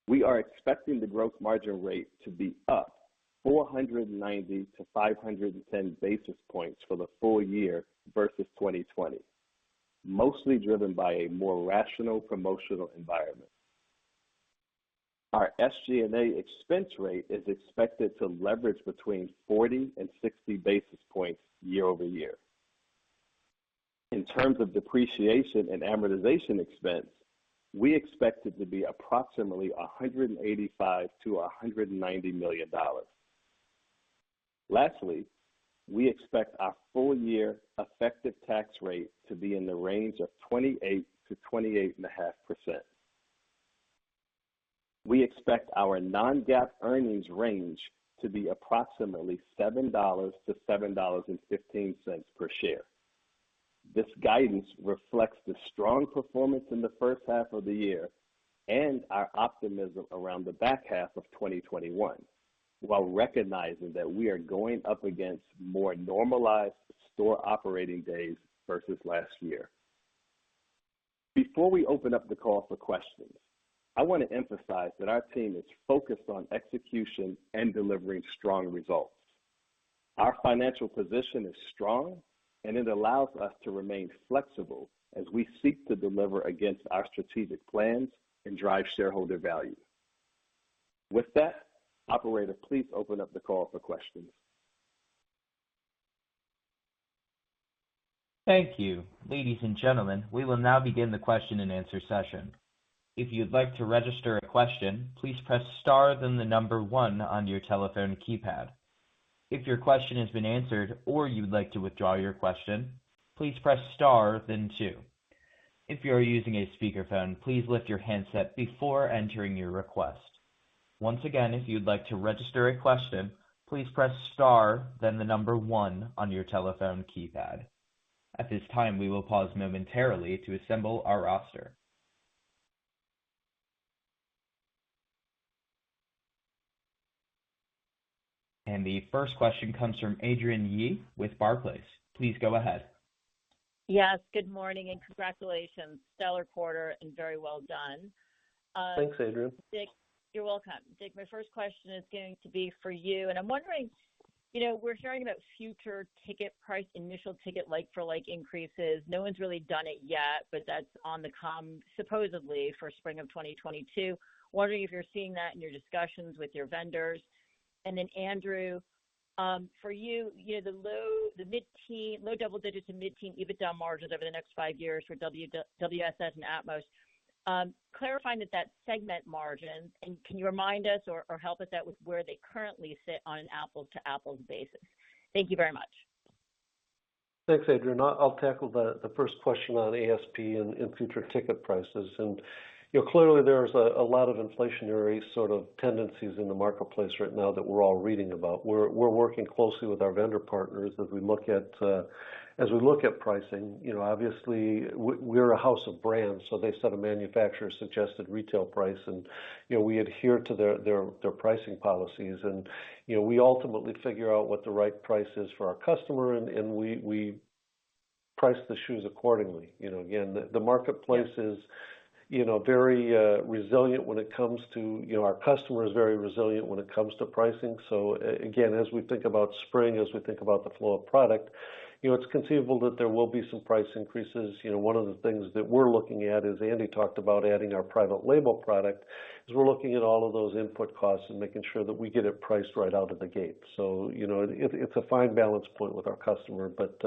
We are expecting the gross margin rate to be up 490 to 510 basis points for the full year versus 2020, mostly driven by a more rational promotional environment. Our SG&A expense rate is expected to leverage between 40 and 60 basis points year-over-year. In terms of depreciation and amortization expense, we expect it to be approximately $185 million-$190 million. Lastly, we expect our full year effective tax rate to be in the range of 28%-28.5%. We expect our non-GAAP earnings range to be approximately $7-$7.15 per share. This guidance reflects the strong performance in the first half of the year and our optimism around the back half of 2021 while recognizing that we are going up against more normalized store operating days versus last year. Before we open up the call for questions, I want to emphasize that our team is focused on execution and delivering strong results. Our financial position is strong, and it allows us to remain flexible as we seek to deliver against our strategic plans and drive shareholder value. With that, operator, please open up the call for questions. Thank you. Ladies and gentlemen, we will now begin the question-and-answer session. If you'd like to register a question, please press star then the number one on your telephone keypad. If your question has been answered or you'd like to withdraw your question, please press star then two. If you are using a speakerphone, please lift your handset before entering your request. Once again, if you'd like to register a question, please press star then the number one on your telephone keypad. At this time, we will pause momentarily to assemble our roster. The first question comes from Adrienne Yih with Barclays. Please go ahead. Yes, good morning and congratulations. Stellar quarter and very well done. Thanks, Adrienne. Dick, you're welcome. Dick, my first question is going to be for you. I'm wondering, we're hearing about future ticket price, initial ticket like-for-like increases. No one's really done it yet, that's on the come supposedly for spring of 2022. Wondering if you're seeing that in your discussions with your vendors. Then Andrew, for you, the low double digits to mid-teen EBITDA margins over the next five years for WSS and Atmos. Clarifying that that's segment margin, can you remind us or help us out with where they currently sit on an apples-to-apples basis? Thank you very much. Thanks, Adrienne. Clearly there's a lot of inflationary sort of tendencies in the marketplace right now that we're all reading about. We're working closely with our vendor partners as we look at pricing. Obviously, we're a house of brands, so they set a manufacturer's suggested retail price, and we adhere to their pricing policies. We ultimately figure out what the right price is for our customer, and we price the shoes accordingly. Again, the marketplace is very resilient when it comes to Our customer is very resilient when it comes to pricing. Again, as we think about spring, as we think about the flow of product, it's conceivable that there will be some price increases. One of the things that we're looking at, as Andy talked about adding our private label product, is we're looking at all of those input costs and making sure that we get it priced right out of the gate. It's a fine balance point with our customer, but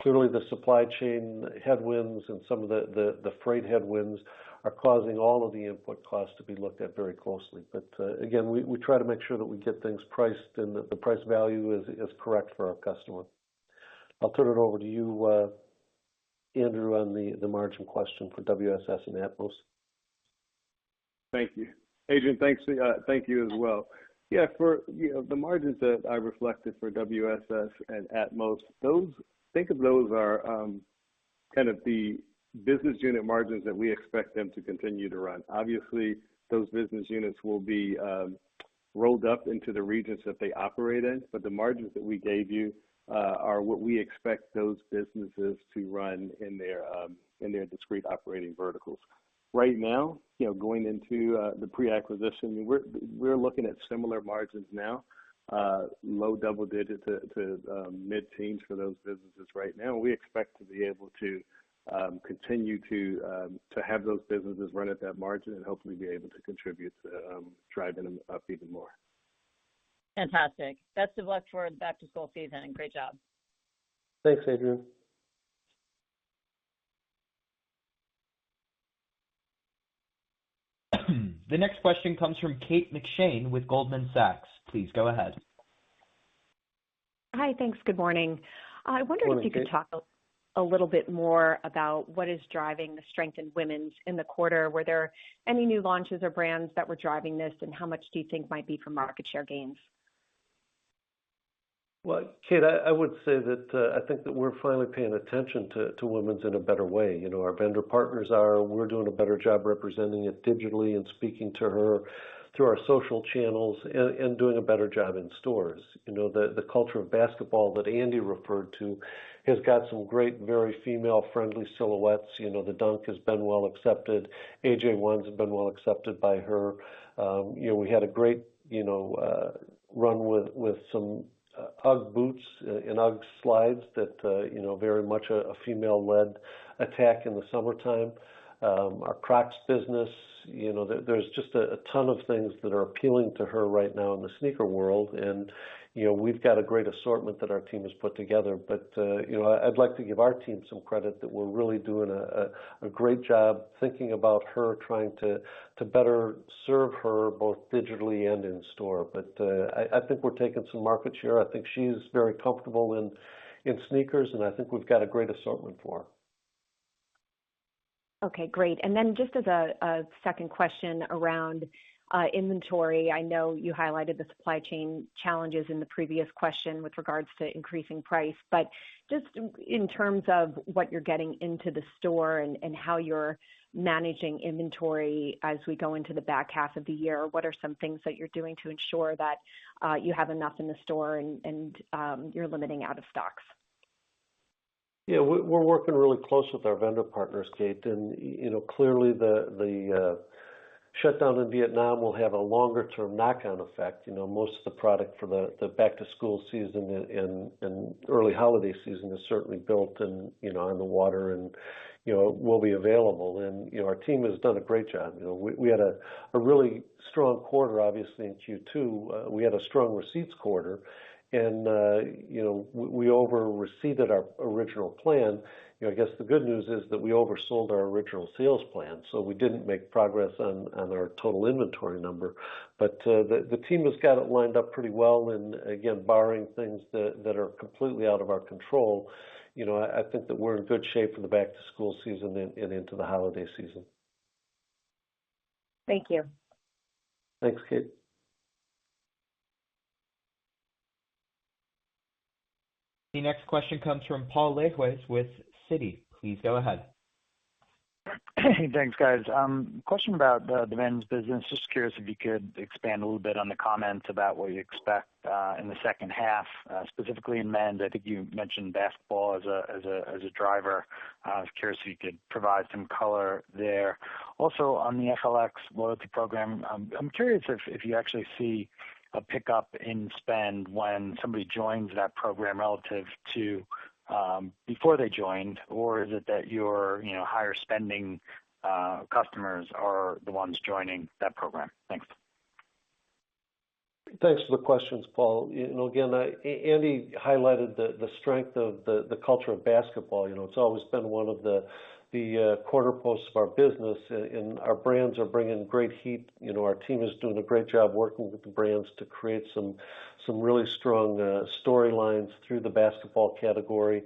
clearly the supply chain headwinds and some of the freight headwinds are causing all of the input costs to be looked at very closely. Again, we try to make sure that we get things priced and that the price value is correct for our customer. I'll turn it over to you, Andrew, on the margin question for WSS and Atmos. Thank you. Adrienne, thank you as well. Yeah, the margins that I reflected for WSS and Atmos, think of those are the business unit margins that we expect them to continue to run. Obviously, those business units will be rolled up into the regions that they operate in. The margins that we gave you are what we expect those businesses to run in their discrete operating verticals. Right now, going into the pre-acquisition, we're looking at similar margins now. Low double-digit to mid-teens for those businesses right now. We expect to be able to continue to have those businesses run at that margin and hopefully be able to contribute to driving them up even more. Fantastic. Best of luck for back-to-school season, and great job. Thanks, Adrienne. The next question comes from Kate McShane with Goldman Sachs. Please go ahead. Hi. Thanks. Good morning. Good morning, Kate. I wonder if you could talk a little bit more about what is driving the strength in women's in the quarter. Were there any new launches or brands that were driving this, and how much do you think might be from market share gains? Well, Kate, I would say that I think that we're finally paying attention to women's in a better way. Our vendor partners are. We're doing a better job representing it digitally and speaking to her through our social channels and doing a better job in stores. The culture of basketball that Andy referred to has got some great, very female-friendly silhouettes. The Dunk has been well accepted. AJ1s have been well accepted by her. We had a great run with some UGG boots and UGG slides that very much a female-led attack in the summertime. Our Crocs business. There's just a ton of things that are appealing to her right now in the sneaker world, and we've got a great assortment that our team has put together. I'd like to give our team some credit that we're really doing a great job thinking about her, trying to better serve her, both digitally and in store. I think we're taking some market share. I think she's very comfortable in sneakers, and I think we've got a great assortment for her. Okay, great. Just as a second question around inventory. I know you highlighted the supply chain challenges in the previous question with regards to increasing price. But just in terms of what you're getting into the store and how you're managing inventory as we go into the back half of the year, what are some things that you're doing to ensure that you have enough in the store and you're limiting out of stocks? Yeah. We're working really close with our vendor partners, Kate, and clearly the shutdown in Vietnam will have a longer term knock-on effect. Most of the product for the back-to-school season and early holiday season is certainly built and on the water and will be available, and our team has done a great job. We had a really strong quarter, obviously, in Q2. We had a strong receipts quarter, and we over-receipted our original plan. I guess the good news is that we oversold our original sales plan, so we didn't make progress on our total inventory number. The team has got it lined up pretty well. Again, barring things that are completely out of our control, I think that we're in good shape for the back-to-school season and into the holiday season. Thank you. Thanks, Kate. The next question comes from Paul Lejuez with Citi. Please go ahead. Thanks, guys. Question about the men's business. Just curious if you could expand a little bit on the comments about what you expect in the second half, specifically in men's. I think you mentioned basketball as a driver. I was curious if you could provide some color there. On the FLX loyalty program, I'm curious if you actually see a pickup in spend when somebody joins that program relative to before they joined, or is it that your higher spending customers are the ones joining that program? Thanks. Thanks for the questions, Paul. Andy highlighted the strength of the culture of basketball. It's always been one of the cornerposts of our business, and our brands are bringing great heat. Our team is doing a great job working with the brands to create some really strong storylines through the basketball category.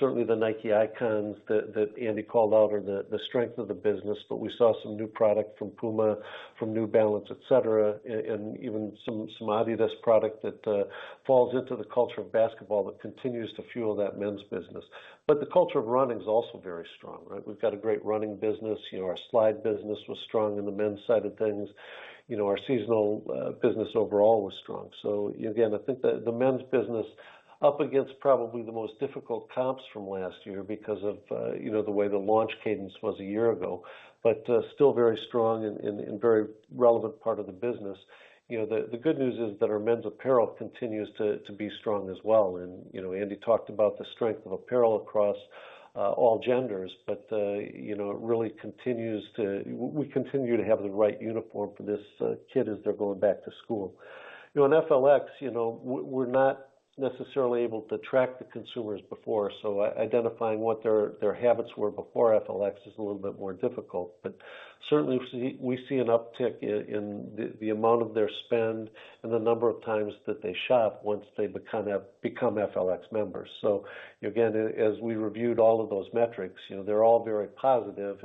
Certainly, the Nike icons that Andy called out are the strength of the business. We saw some new product from Puma, from New Balance, et cetera, and even some Adidas product that falls into the culture of basketball that continues to fuel that men's business. The culture of running is also very strong, right? We've got a great running business. Our slide business was strong in the men's side of things. Our seasonal business overall was strong. Again, I think that the men's business, up against probably the most difficult comps from last year because of the way the launch cadence was a year ago, but still very strong and very relevant part of the business. The good news is that our men's apparel continues to be strong as well. Andy talked about the strength of apparel across all genders, but we continue to have the right uniform for this kid as they're going back to school. In FLX, we're not necessarily able to track the consumers before, so identifying what their habits were before FLX is a little bit more difficult. Certainly, we see an uptick in the amount of their spend and the number of times that they shop once they become FLX members. Again, as we reviewed all of those metrics, they're all very positive.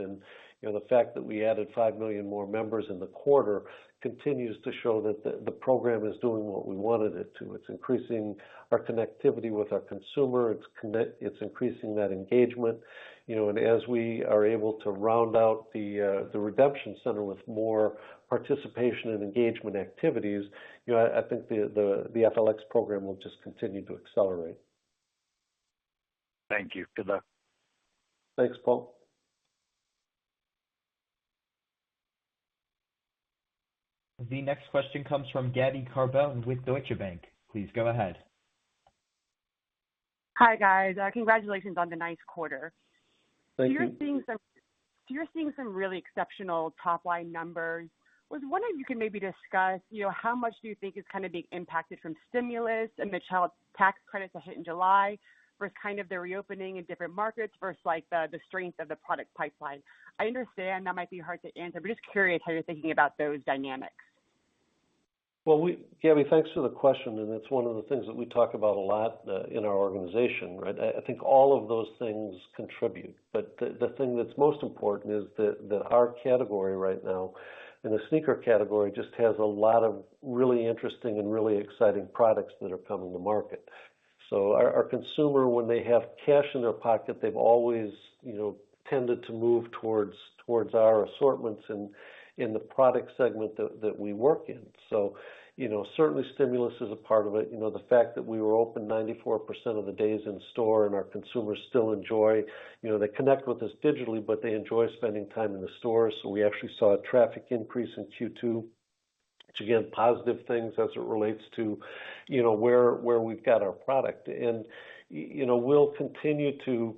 The fact that we added 5 million more members in the quarter continues to show that the program is doing what we wanted it to. It's increasing our connectivity with our consumer. It's increasing that engagement. As we are able to round out the redemption center with more participation and engagement activities, I think the FLX program will just continue to accelerate. Thank you. Good luck. Thanks, Paul. The next question comes from Gabby Carbone with Deutsche Bank. Please go ahead. Hi, guys. Congratulations on the nice quarter. Thank you. You're seeing some really exceptional top-line numbers. I was wondering if you can maybe discuss how much do you think is being impacted from stimulus and the Child Tax Credits that hit in July versus the reopening in different markets versus the strength of the product pipeline? I understand that might be hard to answer, but just curious how you're thinking about those dynamics. Well, Gabby, thanks for the question. It's one of the things that we talk about a lot in our organization, right? I think all of those things contribute. The thing that's most important is that our category right now, in the sneaker category, just has a lot of really interesting and really exciting products that are coming to market. Our consumer, when they have cash in their pocket, they've always tended to move towards our assortments and in the product segment that we work in. Certainly stimulus is a part of it. The fact that we were open 94% of the days in store and our consumers connect with us digitally, they still enjoy spending time in the store. We actually saw a traffic increase in Q2, which, again, positive things as it relates to where we've got our product. We'll continue to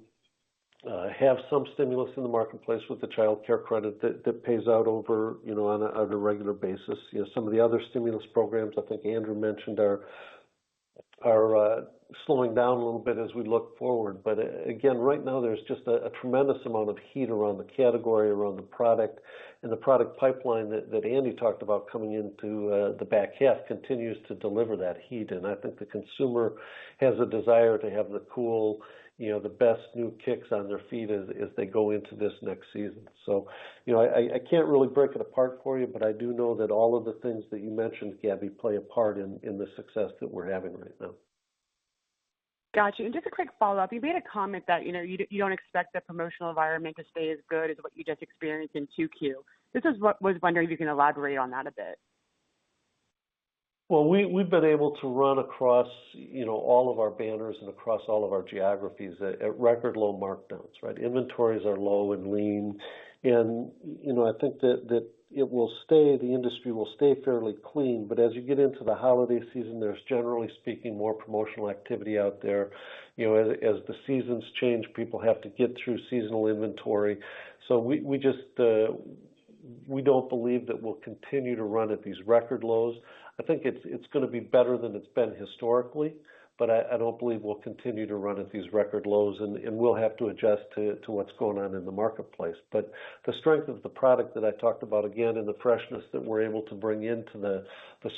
have some stimulus in the marketplace with the childcare credit that pays out over on a regular basis. Some of the other stimulus programs, I think Andrew mentioned, are slowing down a little bit as we look forward. Again, right now, there's just a tremendous amount of heat around the category, around the product, and the product pipeline that Andy talked about coming into the back half continues to deliver that heat. I think the consumer has a desire to have the cool, the best new kicks on their feet as they go into this next season. I can't really break it apart for you, but I do know that all of the things that you mentioned, Gabby, play a part in the success that we're having right now. Got you. Just a quick follow-up. You made a comment that you don't expect the promotional environment to stay as good as what you just experienced in 2Q. Just was wondering if you can elaborate on that a bit. Well, we've been able to run across all of our banners and across all of our geographies at record low markdowns, right? Inventories are low and lean, and I think that it will stay, the industry will stay fairly clean. As you get into the holiday season, there's generally speaking more promotional activity out there. As the seasons change, people have to get through seasonal inventory. We don't believe that we'll continue to run at these record lows. I think it's going to be better than it's been historically, but I don't believe we'll continue to run at these record lows, and we'll have to adjust to what's going on in the marketplace. The strength of the product that I talked about, again, and the freshness that we're able to bring into the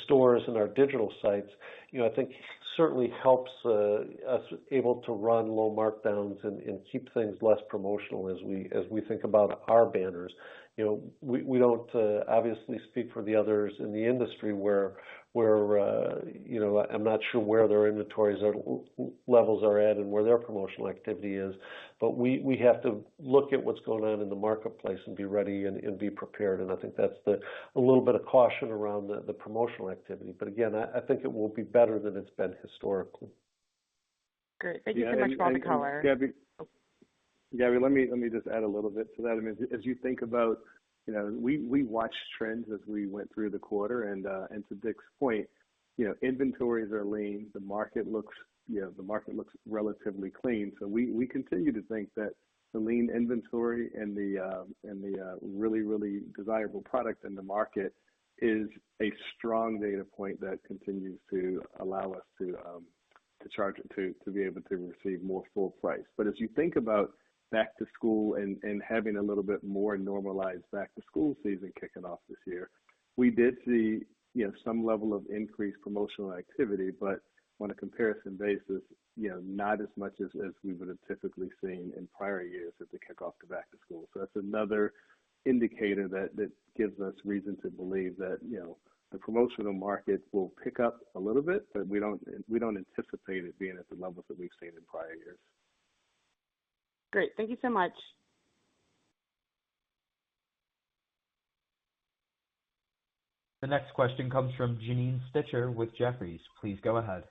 stores and our digital sites, I think certainly helps us able to run low markdowns and keep things less promotional as we think about our banners. We don't obviously speak for the others in the industry where I'm not sure where their inventories levels are at and where their promotional activity is. We have to look at what's going on in the marketplace and be ready and be prepared. I think that's a little bit of caution around the promotional activity. Again, I think it will be better than it's been historically. Great. Thank you so much for the color. Gabby, let me just add a little bit to that. We watched trends as we went through the quarter, and to Dick's point, inventories are lean. The market looks relatively clean. We continue to think that the lean inventory and the really desirable product in the market is a strong data point that continues to allow us to charge it to be able to receive more full price. As you think about back to school and having a little bit more normalized back to school season kicking off this year, we did see some level of increased promotional activity, but on a comparison basis, not as much as we would've typically seen in prior years as they kick off the back to school. That's another indicator that gives us reason to believe that the promotional market will pick up a little bit, but we don't anticipate it being at the levels that we've seen in prior years. Great. Thank you so much. The next question comes from Janine Stichter with Jefferies. Please go ahead.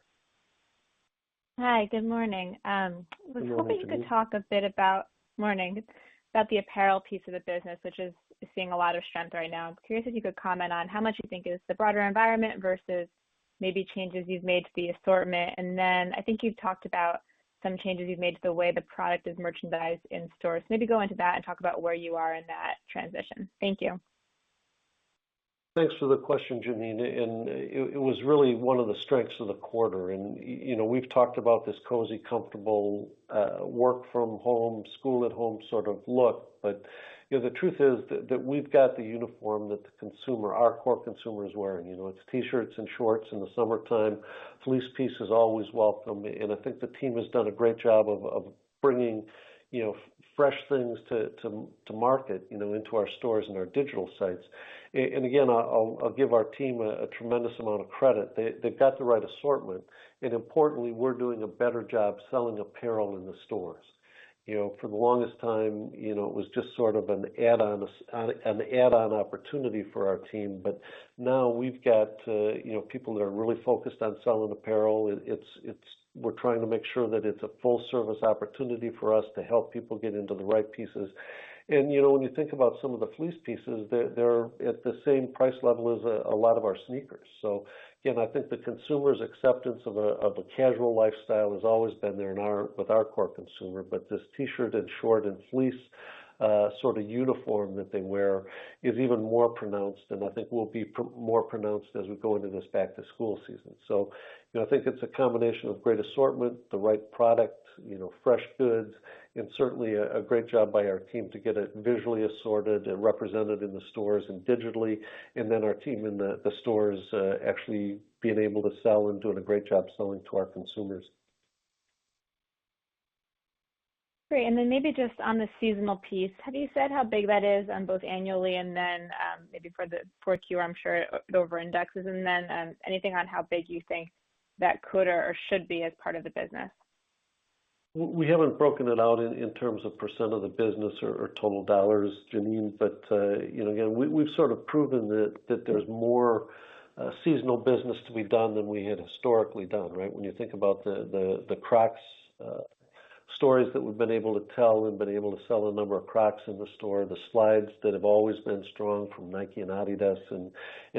Hi. Good morning. Good morning to you. I was hoping you could talk a bit about the apparel piece of the business, which is seeing a lot of strength right now. I'm curious if you could comment on how much you think is the broader environment versus maybe changes you've made to the assortment. I think you've talked about some changes you've made to the way the product is merchandised in stores. Maybe go into that and talk about where you are in that transition. Thank you. Thanks for the question, Janine. It was really one of the strengths of the quarter. We've talked about this cozy, comfortable, work from home, school at home sort of look. The truth is that we've got the uniform that the consumer, our core consumer, is wearing. It's T-shirts and shorts in the summertime. Fleece pieces always welcome. I think the team has done a great job of bringing fresh things to market, into our stores and our digital sites. Again, I'll give our team a tremendous amount of credit. They've got the right assortment, and importantly, we're doing a better job selling apparel in the stores. For the longest time, it was just sort of an add-on opportunity for our team. Now we've got people that are really focused on selling apparel. We're trying to make sure that it's a full-service opportunity for us to help people get into the right pieces. When you think about some of the fleece pieces, they're at the same price level as a lot of our sneakers. Again, I think the consumer's acceptance of a casual lifestyle has always been there with our core consumer, but this T-shirt and short and fleece sort of uniform that they wear is even more pronounced, and I think will be more pronounced as we go into this back-to-school season. I think it's a combination of great assortment, the right product, fresh goods, and certainly a great job by our team to get it visually assorted and represented in the stores and digitally. Our team in the stores actually being able to sell and doing a great job selling to our consumers. Great. Maybe just on the seasonal piece, have you said how big that is on both annually and then maybe for the 4Q, I'm sure it over-indexes, and then anything on how big you think that could or should be as part of the business? We haven't broken it out in terms of percent of the business or total dollars, Janine, again, we've sort of proven that there's more seasonal business to be done than we had historically done, right? When you think about the Crocs stories that we've been able to tell, we've been able to sell a number of Crocs in the store. The slides that have always been strong from Nike and Adidas and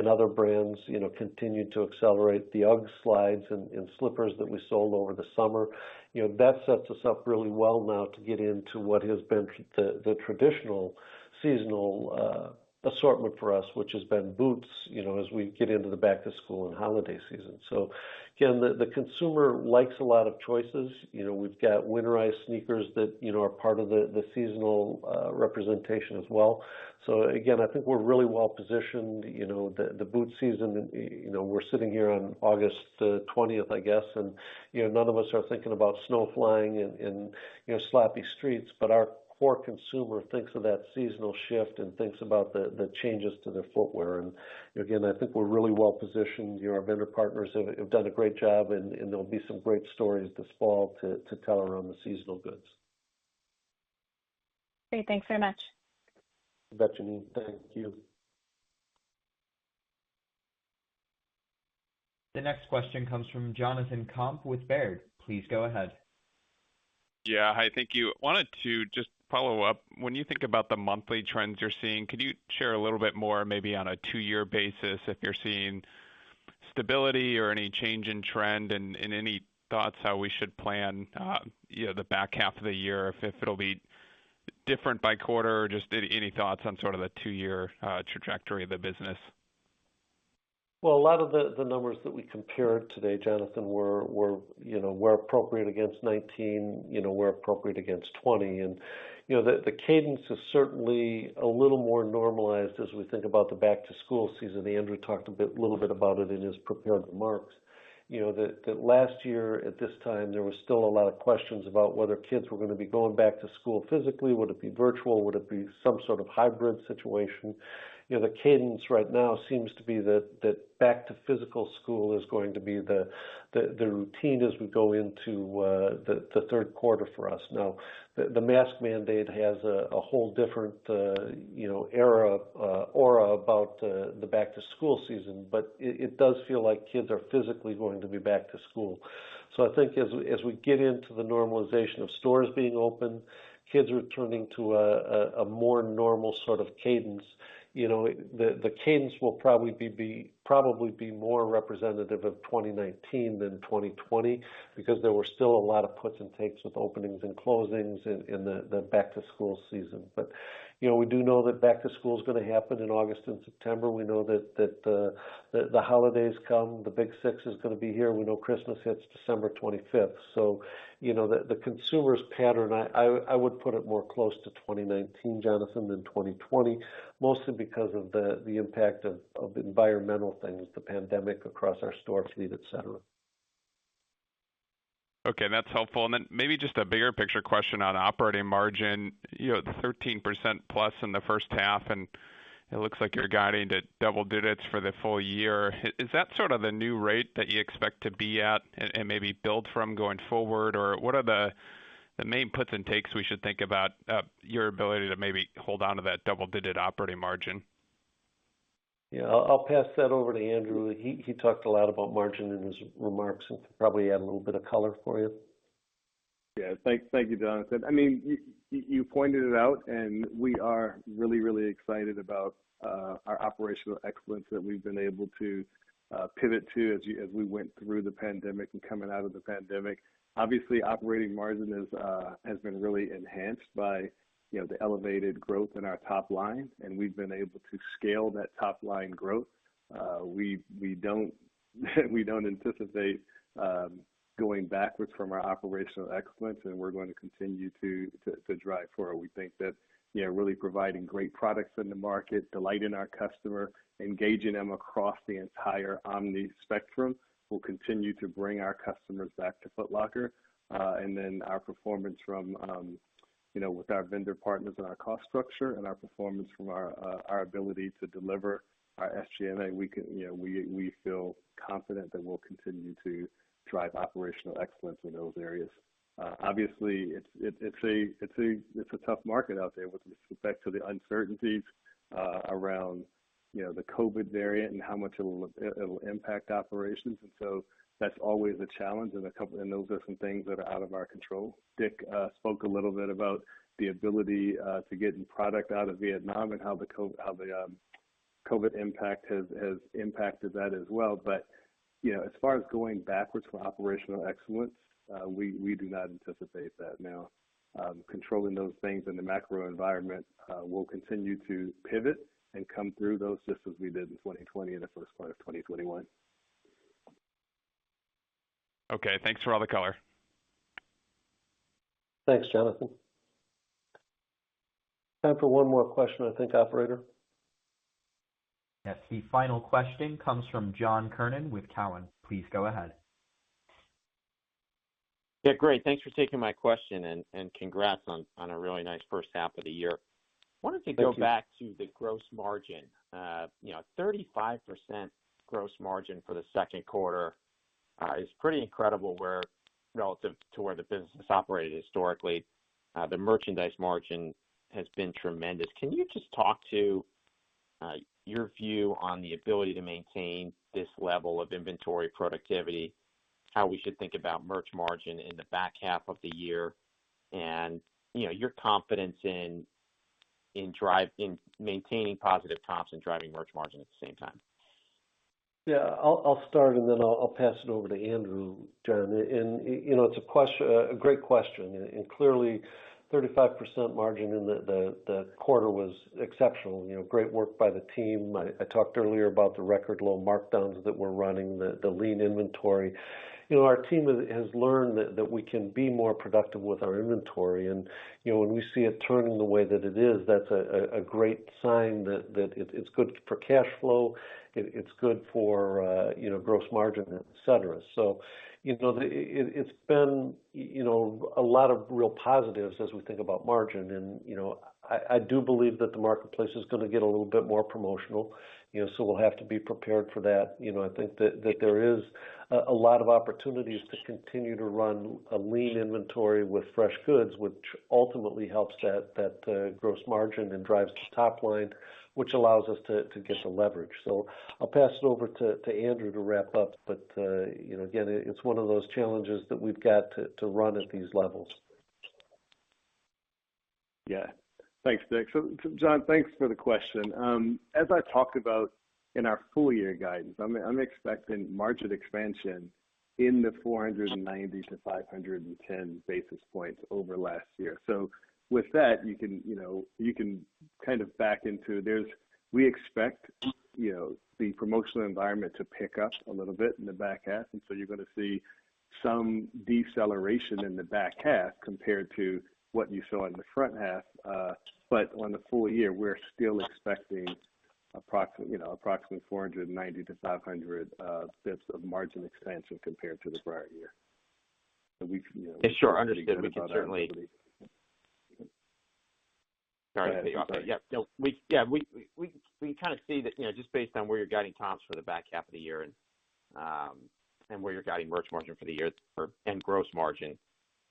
other brands continue to accelerate. The UGG slides and slippers that we sold over the summer, that sets us up really well now to get into what has been the traditional seasonal assortment for us, which has been boots as we get into the back-to-school and holiday season. Again, the consumer likes a lot of choices. We've got winterized sneakers that are part of the seasonal representation as well. Again, I think we're really well-positioned. The boot season, we're sitting here on August 20th, I guess, and none of us are thinking about snow flying and sloppy streets. Our core consumer thinks of that seasonal shift and thinks about the changes to their footwear. Again, I think we're really well-positioned. Our vendor partners have done a great job, and there'll be some great stories this fall to tell around the seasonal goods. Great. Thanks very much. You bet, Janine. Thank you. The next question comes from Jonathan Komp with Baird. Please go ahead. Yeah. Hi, thank you. I wanted to just follow up. When you think about the monthly trends you're seeing, could you share a little bit more, maybe on a two-year basis, if you're seeing stability or any change in trend, and any thoughts how we should plan the back half of the year? If it'll be different by quarter or just any thoughts on sort of the two-year trajectory of the business? Well, a lot of the numbers that we compared today, Jonathan, were appropriate against 2019, were appropriate against 2020. And the cadence is certainly a little more normalized as we think about the back-to-school season. Andrew talked a little bit about it in his prepared remarks. That last year at this time, there was still a lot of questions about whether kids were going to be going back to school physically. Would it be virtual? Would it be some sort of hybrid situation? The cadence right now seems to be that back to physical school is going to be the routine as we go into the third quarter for us. Now, the mask mandate has a whole different aura about the back-to-school season, but it does feel like kids are physically going to be back to school. I think as we get into the normalization of stores being open, kids returning to a more normal sort of cadence. The cadence will probably be more representative of 2019 than 2020 because there were still a lot of puts and takes with openings and closings in the back-to-school season. We do know that back to school is going to happen in August and September. We know that the holidays come, the big six is going to be here. We know Christmas hits December 25th. The consumer's pattern, I would put it more close to 2019, Jonathan, than 2020, mostly because of the impact of environmental things, the pandemic across our store fleet, et cetera. Okay, that's helpful. Maybe just a bigger picture question on operating margin? The 13% plus in the first half, and it looks like you're guiding to double digits for the full year. Is that sort of the new rate that you expect to be at and maybe build from going forward? What are the main puts and takes we should think about your ability to maybe hold onto that double-digit operating margin? Yeah. I'll pass that over to Andrew. He talked a lot about margin in his remarks and could probably add a little bit of color for you. Yeah. Thank you, Jonathan. You pointed it out, we are really, really excited about our operational excellence that we've been able to pivot to as we went through the pandemic and coming out of the pandemic. Obviously, operating margin has been really enhanced by the elevated growth in our top line, we've been able to scale that top-line growth. We don't anticipate going backwards from our operational excellence, we're going to continue to drive forward. We think that really providing great products in the market, delighting our customer, engaging them across the entire omni spectrum, will continue to bring our customers back to LCKR. Our performance with our vendor partners and our cost structure and our performance from our ability to deliver our SG&A, we feel confident that we'll continue to drive operational excellence in those areas. Obviously, it's a tough market out there with respect to the uncertainties around the COVID variant and how much it'll impact operations. That's always a challenge, and those are some things that are out of our control. Dick spoke a little bit about the ability to get product out of Vietnam and how the COVID impact has impacted that as well. As far as going backwards from operational excellence, we do not anticipate that. Now, controlling those things in the macro environment, we'll continue to pivot and come through those just as we did in 2020 and the first part of 2021. Okay, thanks for all the color. Thanks, Jonathan. Time for one more question, I think, operator. Yes. The final question comes from John Kernan with Cowen. Please go ahead. Great. Thanks for taking my question, and congrats on a really nice first half of the year. Thank you. Wanted to go back to the gross margin. 35% gross margin for the second quarter is pretty incredible relative to where the business has operated historically. The merchandise margin has been tremendous. Can you just talk to your view on the ability to maintain this level of inventory productivity, how we should think about merch margin in the back half of the year, and your confidence in maintaining positive comps and driving merch margin at the same time? Yeah. I'll start, and then I'll pass it over to Andrew, John. It's a great question. Clearly, 35% margin in the quarter was exceptional. Great work by the team. I talked earlier about the record low markdowns that we're running, the lean inventory. Our team has learned that we can be more productive with our inventory, and when we see it turning the way that it is, that's a great sign that it's good for cash flow, it's good for gross margin, et cetera. It's been a lot of real positives as we think about margin. I do believe that the marketplace is going to get a little bit more promotional, so we'll have to be prepared for that. I think that there is a lot of opportunities to continue to run a lean inventory with fresh goods, which ultimately helps that gross margin and drives top line, which allows us to get the leverage. I'll pass it over to Andrew to wrap up, but again, it's one of those challenges that we've got to run at these levels. Yeah. Thanks, Dick. John, thanks for the question. As I talked about in our full year guidance, I'm expecting margin expansion in the 490-510 basis points over last year. With that, you can kind of back into, we expect the promotional environment to pick up a little bit in the back half, you're going to see some deceleration in the back half compared to what you saw in the front half. On the full year, we're still expecting approximately 490-500 basis points of margin expansion compared to the prior year. Yeah, sure. Understood. Sorry. Go ahead. I'm sorry. Yeah. We kind of see that just based on where you're guiding comps for the back half of the year and where you're guiding merch margin for the year and gross margin,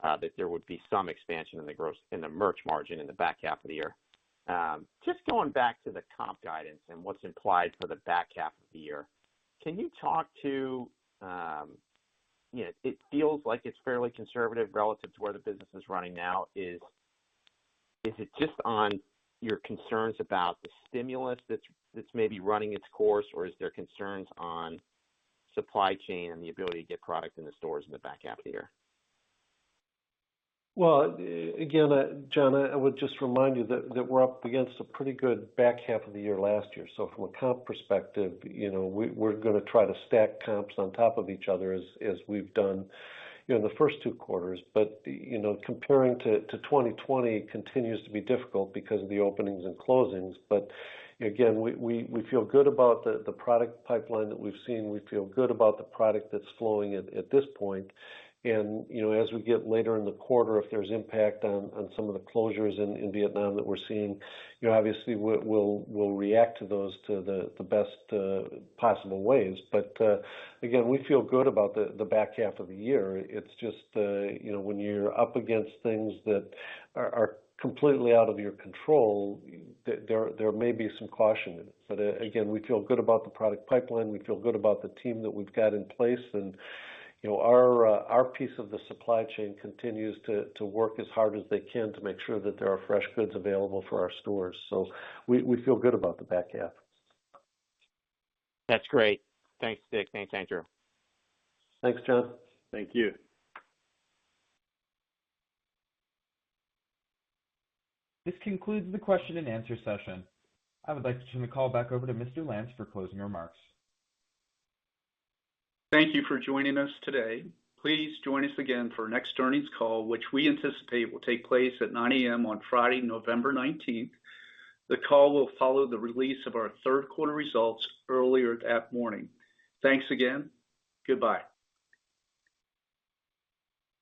that there would be some expansion in the merch margin in the back half of the year. Just going back to the comp guidance and what's implied for the back half of the year, can you talk to It feels like it's fairly conservative relative to where the business is running now? Is it just on your concerns about the stimulus that's maybe running its course, or is there concerns on supply chain and the ability to get product in the stores in the back half of the year? Well, again, John Kernan, I would just remind you that we're up against a pretty good back half of the year last year. From a comp perspective, we're going to try to stack comps on top of each other as we've done in the first two quarters. Comparing to 2020 continues to be difficult because of the openings and closings. Again, we feel good about the product pipeline that we've seen. We feel good about the product that's flowing at this point. As we get later in the quarter, if there's impact on some of the closures in Vietnam that we're seeing, obviously we'll react to those to the best possible ways. Again, we feel good about the back half of the year. It's just when you're up against things that are completely out of your control, there may be some caution in it. Again, we feel good about the product pipeline. We feel good about the team that we've got in place, and our piece of the supply chain continues to work as hard as they can to make sure that there are fresh goods available for our stores. We feel good about the back half. That's great. Thanks, Dick. Thanks, Andrew. Thanks, John. Thank you. This concludes the question and answer session. I would like to turn the call back over to Mr. Lance for closing remarks. Thank you for joining us today. Please join us again for our next earnings call, which we anticipate will take place at 9:00 A.M. on Friday, November 19th. The call will follow the release of our third quarter results earlier that morning. Thanks again. Goodbye.